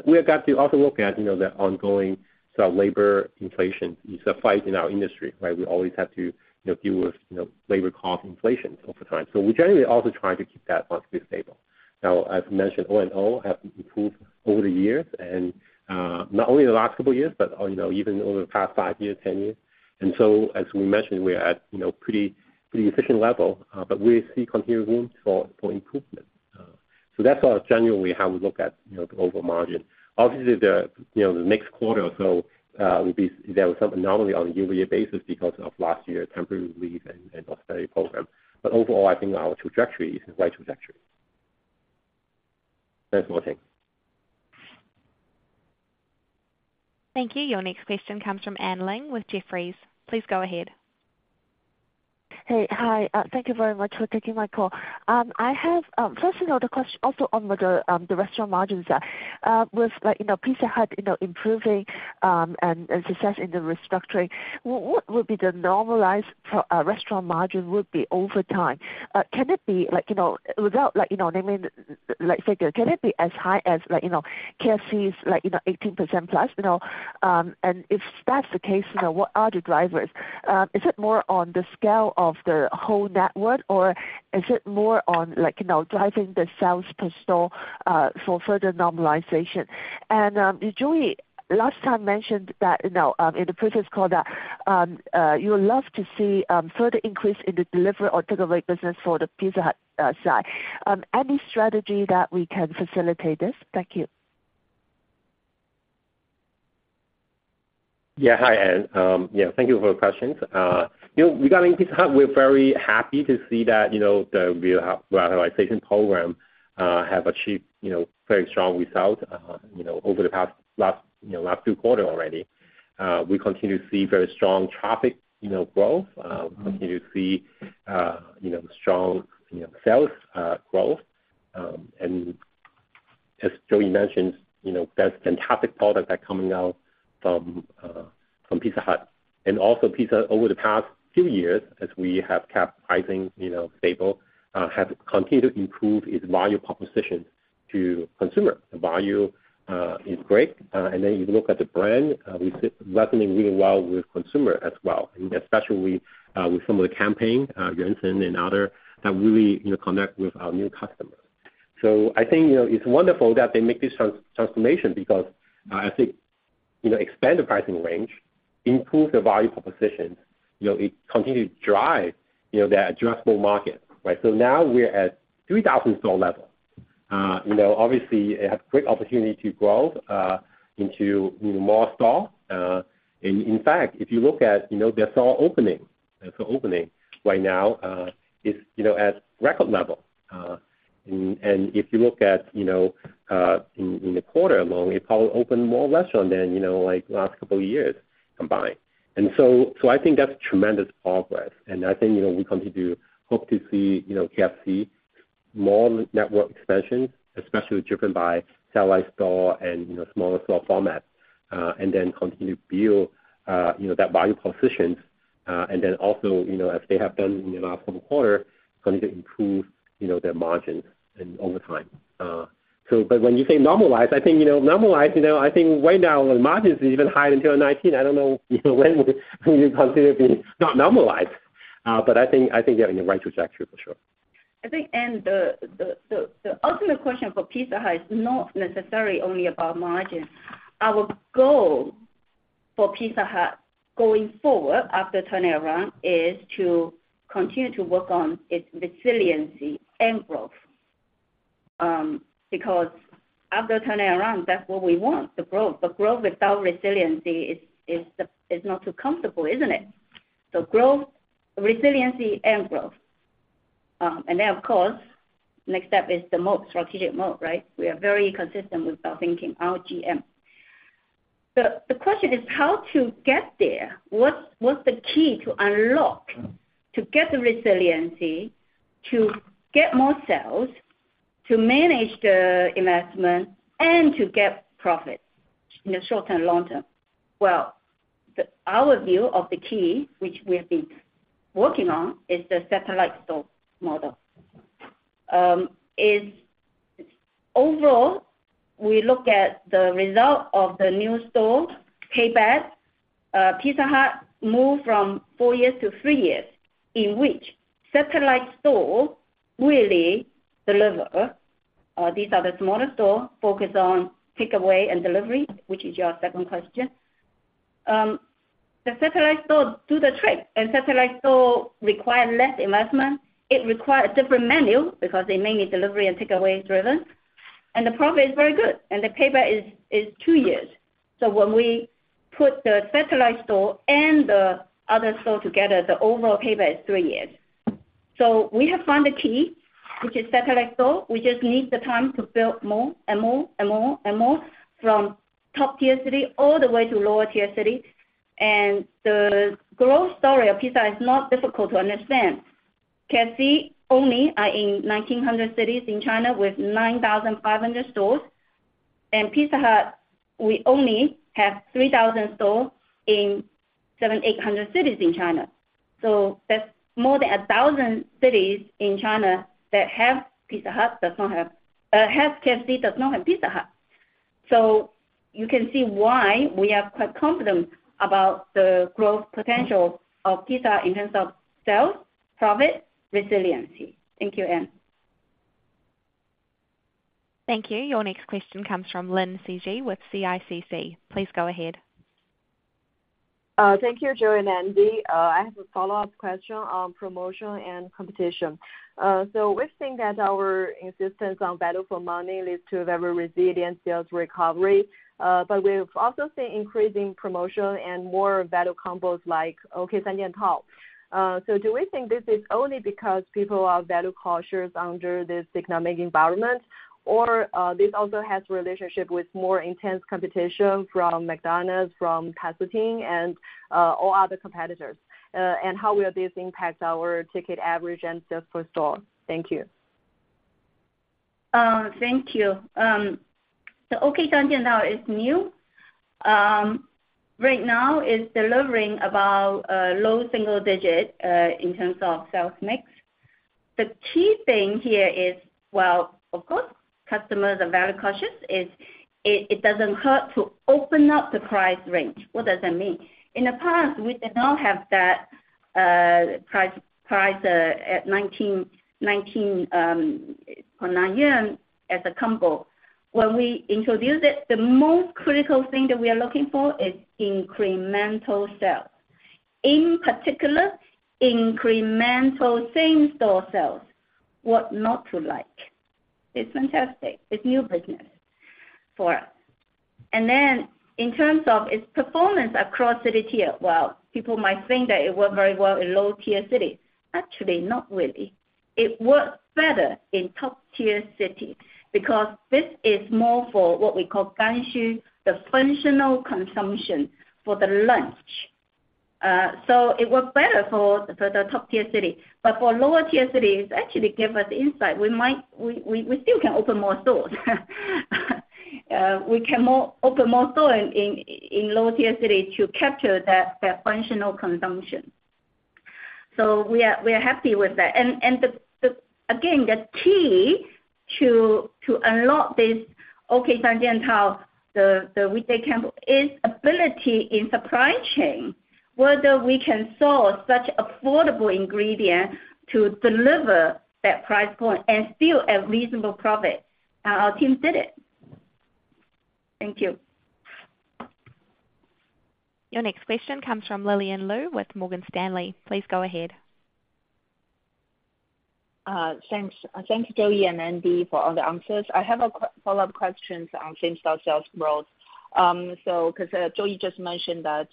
We have got to also look at, you know, the ongoing labor inflation. It's a fight in our industry, right? We always have to, you know, deal with, you know, labor cost inflation over time. We generally also try to keep that relatively stable. Now, as mentioned, O&O have improved over the years and, not only in the last couple years, but, you know, even over the past five years, 10 years. As we mentioned, we are at, you know, pretty, pretty efficient level, but we see continued room for, for improvement. That's generally how we look at, you know, the overall margin. Obviously, the, you know, the next quarter or so, there was some anomaly on a year-over-year basis because of last year's temporary leave and study program. Overall, I think our trajectory is the right trajectory. Thanks, Martin. Thank you. Your next question comes from Anne Ling with Jefferies. Please go ahead. Hey. Hi, thank you very much for taking my call. I have, first of all, the question also on the restaurant margins there. With like, you know, Pizza Hut, you know, improving, and success in the restructuring, what would be the normalized restaurant margin would be over time? Can it be like, you know, without like, you know, naming like figure, can it be as high as like, you know, KFC's, like, you know, 18% plus, you know? And if that's the case, you know, what are the drivers? Is it more on the scale of the whole network, or is it more on like, you know, driving the sales per store for further normalization? Joey last time mentioned that, you know, in the previous call that, you would love to see further increase in the delivery or takeaway business for the Pizza Hut side. Any strategy that we can facilitate this? Thank you.... Yeah. Hi, Anne. Yeah, thank you for the questions. You know, regarding Pizza Hut, we're very happy to see that, you know, the real realization program, have achieved, you know, very strong results, you know, over the past last, you know, last 2 quarters already. We continue to see very strong traffic, you know, growth, continue to see, you know, strong, you know, sales, growth. As Joey mentioned, you know, there's fantastic products that are coming out from Pizza Hut. Also, Pizza, over the past few years, as we have kept pricing, you know, stable, have continued to improve its value proposition to consumer. The value is great. You look at the brand, we sit resonating really well with consumer as well, and especially, with some of the campaign, Genshin and other, that really, you know, connect with our new customer. I think, you know, it's wonderful that they make this transformation because, I think, you know, expand the pricing range, improve the value proposition, you know, it continue to drive, you know, the addressable market, right? Now we're at 3,000 store level. you know, obviously, it have great opportunity to grow, into more store. In, in fact, if you look at, you know, the store opening, the store opening right now, is, you know, at record level. If you look at, you know, in the quarter alone, we probably opened more restaurant than, you know, like the last couple of years combined. I think that's tremendous progress. I think, you know, we continue to hope to see, you know, KFC, more network expansion, especially driven by satellite store and, you know, smaller store format, and then continue to build, you know, that value positions. Then also, you know, as they have done in the last couple quarter, continue to improve, you know, their margins and over time. When you say normalize, I think, you know, normalize, you know, I think right now the margins are even higher than 2019. I don't know, you know, when we, we consider to be not normalized. I think, I think you're having the right trajectory, for sure. I think, the ultimate question for Pizza Hut is not necessarily only about margin. Our goal for Pizza Hut going forward, after turnaround, is to continue to work on its resiliency and growth. Because after turning around, that's what we want, the growth. Growth without resiliency is, is not too comfortable, isn't it? Growth, resiliency and growth. And then, of course, next step is the moat, strategic moat, right? We are very consistent with our thinking, our GM. The question is how to get there. What's, what's the key to unlock, to get the resiliency, to get more sales, to manage the investment, and to get profit in the short and long term? Well, our view of the key, which we have been working on, is the satellite store model. Overall, we look at the result of the new store, payback, Pizza Hut moved from four years to three years, in which satellite store really deliver. These are the smaller store, focused on takeaway and delivery, which is your second question. The satellite store do the trick, and satellite store require less investment. It require a different menu because they mainly delivery and takeaway driven, and the profit is very good, and the payback is, is two years. When we put the satellite store and the other store together, the overall payback is three years. We have found the key, which is satellite store. We just need the time to build more and more and more and more from top-tier city all the way to lower-tier city. The growth story of Pizza Hut is not difficult to understand. KFC only are in 1,900 cities in China with 9,500 stores, and Pizza Hut, we only have 3,000 stores in 700-800 cities in China. That's more than 1,000 cities in China that have Pizza Hut, does not have-- have KFC, does not have Pizza Hut. You can see why we are quite confident about the growth potential of Pizza in terms of sales, profit, resiliency. Thank you, Anne. Thank you. Your next question comes from Sijie Lin with CICC. Please go ahead. Thank you, Joe and Andy. I have a follow-up question on promotion and competition. We've seen that our insistence on value for money leads to very resilient sales recovery. We've also seen increasing promotion and more value combos like, OK Sanjian Tao. Do we think this is only because people are value cautious under this economic environment, or this also has relationship with more intense competition from McDonald's, from Peppertine and all other competitors? How will this impact our ticket average and sales per store? Thank you. Thank you. Okay, Sanjian Tao is new. Right now is delivering about low single-digit in terms of sales mix. The key thing here is, well, of course, customers are very cautious. It doesn't hurt to open up the price range. What does that mean? In the past, we did not have that price at 19 as a combo. When we introduced it, the most critical thing that we are looking for is incremental sales, in particular, incremental same-store sales. What not to like? It's fantastic. It's new business for us. In terms of its performance across city tier, well, people might think that it worked very well in low-tier cities. Actually, not really. It worked better in top-tier cities, because this is more for what we call Gangxu, the functional consumption for the lunch. It worked better for the top-tier city. For lower-tier cities, actually gave us insight. We still can open more stores. We can open more stores in low-tier cities to capture that functional consumption. We are happy with that. Again, the key to unlock this, okay, Sanjian Tao, the weekend camp, is ability in supply chain, whether we can source such affordable ingredients to deliver that price point and still a reasonable profit. Our team did it. Thank you. Your next question comes from Lillian Lou with Morgan Stanley. Please go ahead. Thanks. Thank you, Joey and Andy, for all the answers. I have a follow-up questions on same-store sales growth. Because Joey just mentioned that,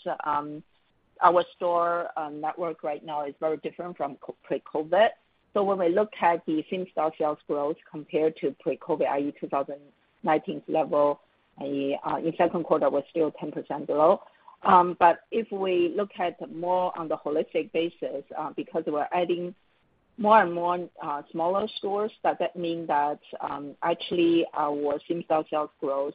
our store network right now is very different from pre-COVID. When we look at the same-store sales growth compared to pre-COVID, i.e., 2019 level, in second quarter was still 10% below. If we look at more on the holistic basis, because we're adding more and more smaller stores, does that mean that actually our same-store sales growth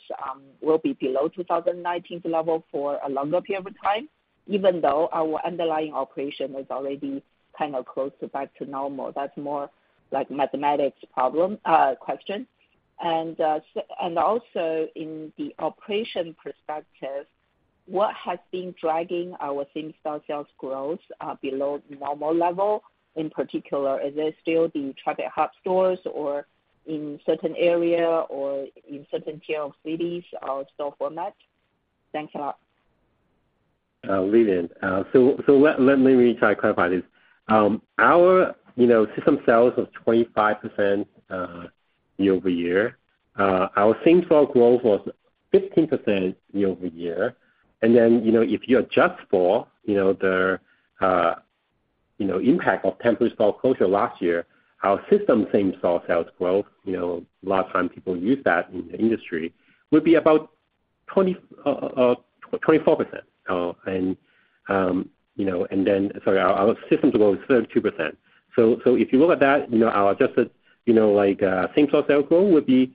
will be below 2019th level for a longer period of time, even though our underlying operation is already kind of close to back to normal? That's more like mathematics problem, question. Also in the operation perspective, what has been driving our same-store sales growth below normal level? In particular, is there still the traffic hub stores or in certain area or in certain tier of cities or store format? Thanks a lot. Lillian, so let me try to clarify this. Our, you know, system sales of 25% year-over-year, our same-store growth was 15% year-over-year. Then, you know, if you adjust for, you know, the, you know, impact of temporary store closure last year, our system same-store sales growth, you know, a lot of time people use that in the industry, would be about 24%. And, you know, then... Sorry, our system growth is 32%. If you look at that, you know, our adjusted, you know, like, same-store sales growth would be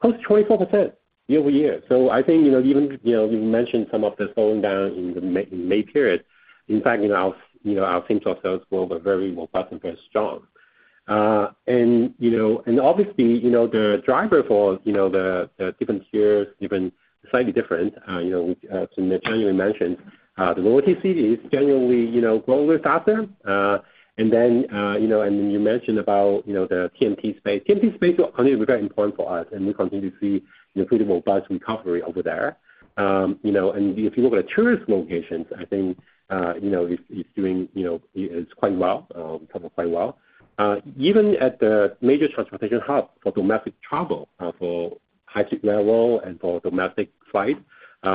close to 24% year-over-year. I think, you know, even, you know, we mentioned some of the slowing down in the May, May period. In fact, you know, our, you know, our same-store sales growth were very well, quite strong. You know, and obviously, you know, the driver for, you know, the, the different tiers, different, slightly different, you know, as Joey Wat mentioned, the lower tier cities generally, you know, growing with faster. You know, and you mentioned about, you know, the TMT space. TMT space are really very important for us, and we continue to see a pretty robust recovery over there. You know, and if you look at the tourist locations, I think, you know, it's, it's doing, you know, it's quite well, recovered quite well. Even at the major transportation hub for domestic travel, for high-speed level and for domestic flights,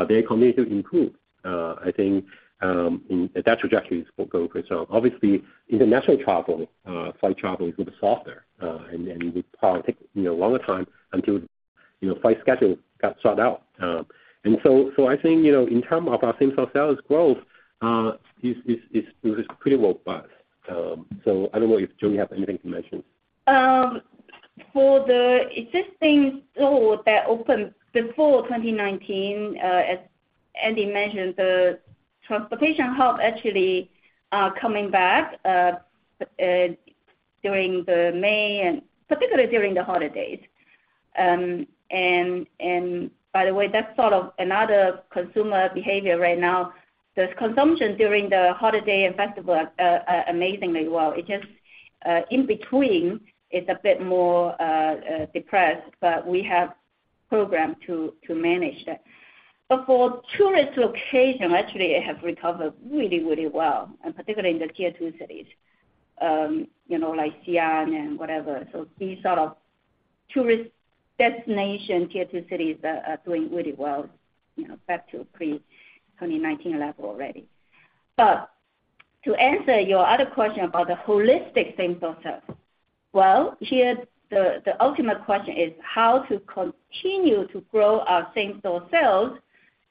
they continue to improve. I think, and that trajectory is still going pretty strong. Obviously, international travel, flight travel is a little softer, and, and it will probably take, you know, a longer time until, you know, flight schedule got sought out. So I think, you know, in terms of our same-store sales growth, is, is, is pretty robust. I don't know if Joey, you have anything to mention. For the existing store that opened before 2019, as Andy mentioned, the transportation hub actually coming back during the May and particularly during the holidays. By the way, that's sort of another consumer behavior right now. There's consumption during the holiday and festival amazingly well. It just, in between, it's a bit more depressed, but we have program to manage that. For tourist location, actually, it have recovered really, really well, and particularly in the tier two cities, you know, like Xi'an and whatever. These sort of tourist destination, tier two cities are doing really well, you know, back to pre-2019 level already. To answer your other question about the holistic same-store sales, well, here, the ultimate question is how to continue to grow our same-store sales,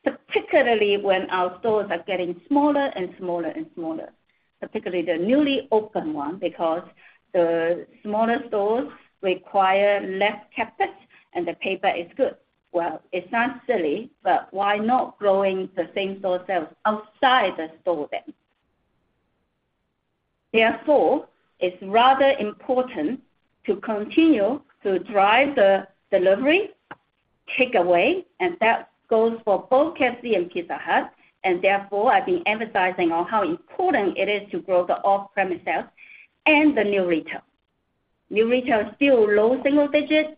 particularly when our stores are getting smaller and smaller and smaller, particularly the newly opened one, because the smaller stores require less CapEx, and the paper is good. Well, it's not silly, but why not growing the same-store sales outside the store then? Therefore, it's rather important to continue to drive the delivery, take away, and that goes for both KFC and Pizza Hut. Therefore, I've been emphasizing on how important it is to grow the off-premise sales and the new retail. New retail is still low single digits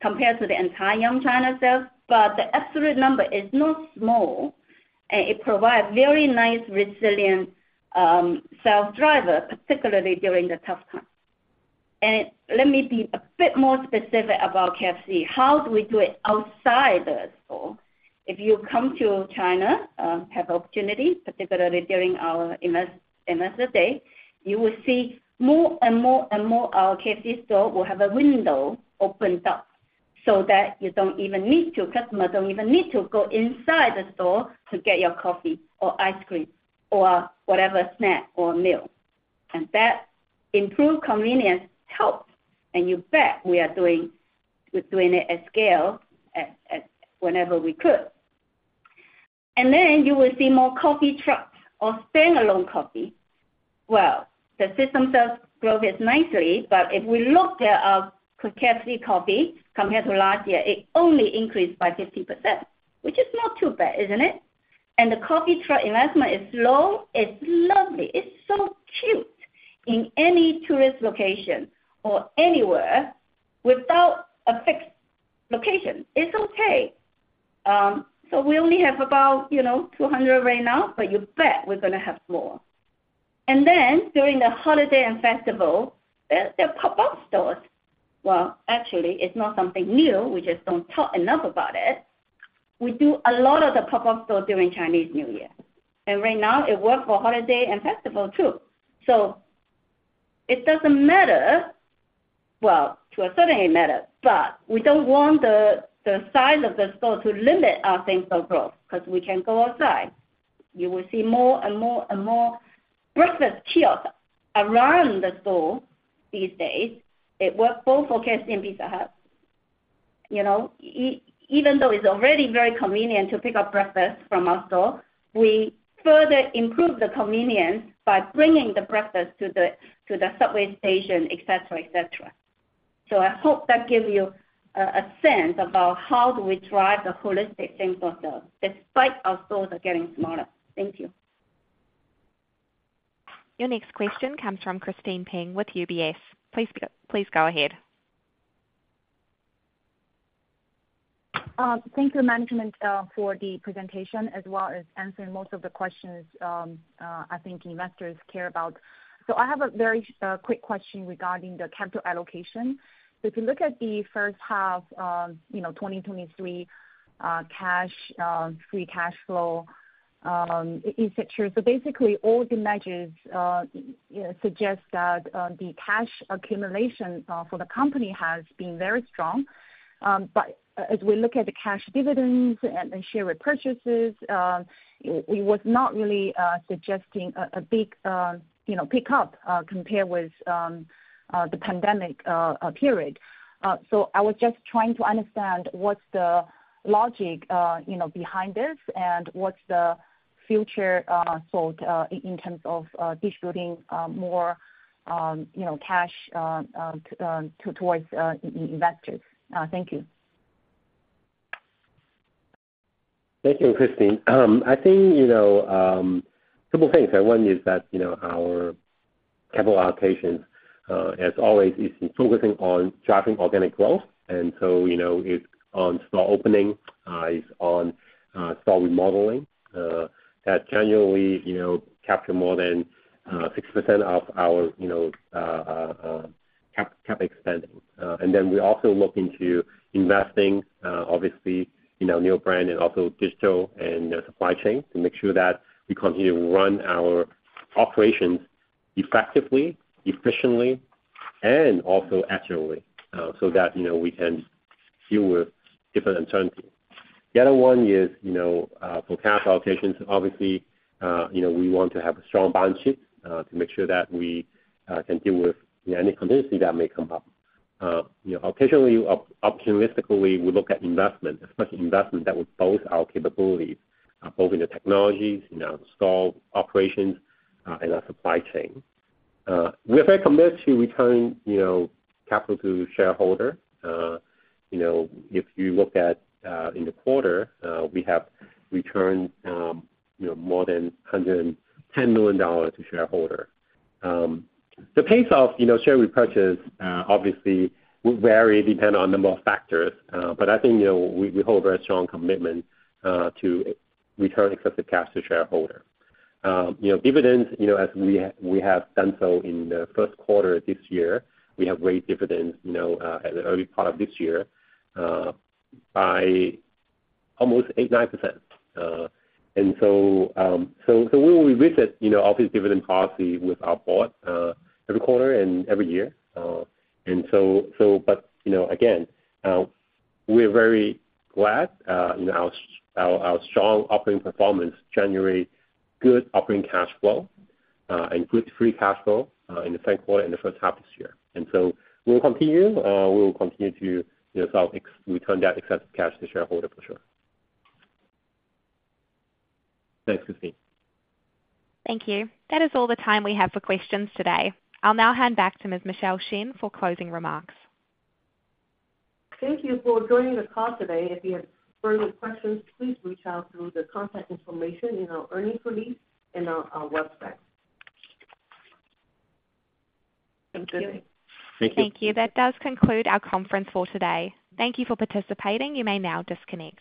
compared to the entire Yum China sales, but the absolute number is not small, and it provides very nice, resilient, sales driver, particularly during the tough times. Let me be a bit more specific about KFC. How do we do it outside the store? If you come to China, have opportunity, particularly during our Investor Day, you will see more and more and more our KFC store will have a window opened up, so that you don't even need to customer don't even need to go inside the store to get your coffee or ice cream or whatever snack or meal. That improved convenience helps, and you bet we are doing, we're doing it at scale at whenever we could. You will see more coffee trucks or standalone coffee. Well, the system does grow this nicely, but if we look at KFC coffee compared to last year, it only increased by 50%, which is not too bad, isn't it? The coffee truck investment is low. It's lovely. It's so cute. In any tourist location or anywhere without a fixed location, it's okay. We only have about, you know, 200 right now, but you bet we're gonna have more. During the holiday and festival, there, there are pop-up stores. Well, actually, it's not something new. We just don't talk enough about it. We do a lot of the pop-up store during Chinese New Year, and right now it work for holiday and festival, too. It doesn't matter. Well, to a certain, it matters, but we don't want the, the size of the store to limit our same-store growth, 'cause we can go outside. You will see more and more and more breakfast kiosk around the store these days. It work both for KFC and Pizza Hut. You know, even though it's already very convenient to pick up breakfast from our store, we further improve the convenience by bringing the breakfast to the, to the subway station, et cetera, et cetera. I hope that give you a sense about how do we drive the holistic same-store sales, despite our stores are getting smaller. Thank you. Your next question comes from Christine Peng with UBS. Please go ahead. Thank you, management, for the presentation as well as answering most of the questions, I think investors care about. I have a very quick question regarding the capital allocation. If you look at the first half of, you know, 2023, cash, free cash flow, et cetera. Basically, all the measures suggest that the cash accumulation for the company has been very strong. As we look at the cash dividends and the share repurchases, it was not really suggesting a big, you know, pickup, compared with the pandemic period. I was just trying to understand what's the logic, you know, behind this, and what's the future thought in terms of distributing more, you know, cash towards investors? Thank you. Thank you, Christine. I think, you know, couple things. One is that, you know, our capital allocations, as always, is focusing on driving organic growth. You know, it's on store opening, it's on store remodeling, that generally, you know, capture more than 6% of our, you know, CapEx spending. We also look into investing, obviously, in our new brand and also digital and supply chain, to make sure that we continue to run our operations effectively, efficiently, and also accurately, so that, you know, we can deal with different uncertainty. The other one is, you know, for cash allocations, obviously, you know, we want to have a strong balance sheet, to make sure that we can deal with any contingency that may come up. You know, occasionally, opportunistically, we look at investment, especially investment that will boost our capabilities, both in the technologies, in our store operations, and our supply chain. We're very committed to return, you know, capital to shareholder. You know, if you look at, in the quarter, we have returned, you know, more than $110 million to shareholder. The pace of, you know, share repurchase, obviously will vary, depend on number of factors, but I think, you know, we, we hold a very strong commitment, to return excessive cash to shareholder. You know, dividends, you know, as we, we have done so in the first quarter this year, we have raised dividends, you know, at the early part of this year, by almost 8%-9%. So, so we will revisit, you know, obviously, dividend policy with our board, every quarter and every year. So, so but, you know, again, we're very glad, you know, our, our strong operating performance generate good operating cash flow, and good free cash flow, in the same quarter and the first half this year. So we'll continue, we will continue to, you know, return that excess cash to shareholder for sure. Thanks, Christine. Thank you. That is all the time we have for questions today. I'll now hand back to Ms. Michelle Shen for closing remarks. Thank you for joining the call today. If you have further questions, please reach out through the contact information in our earnings release and on our website. Thank you. Thank you. That does conclude our conference for today. Thank you for participating. You may now disconnect.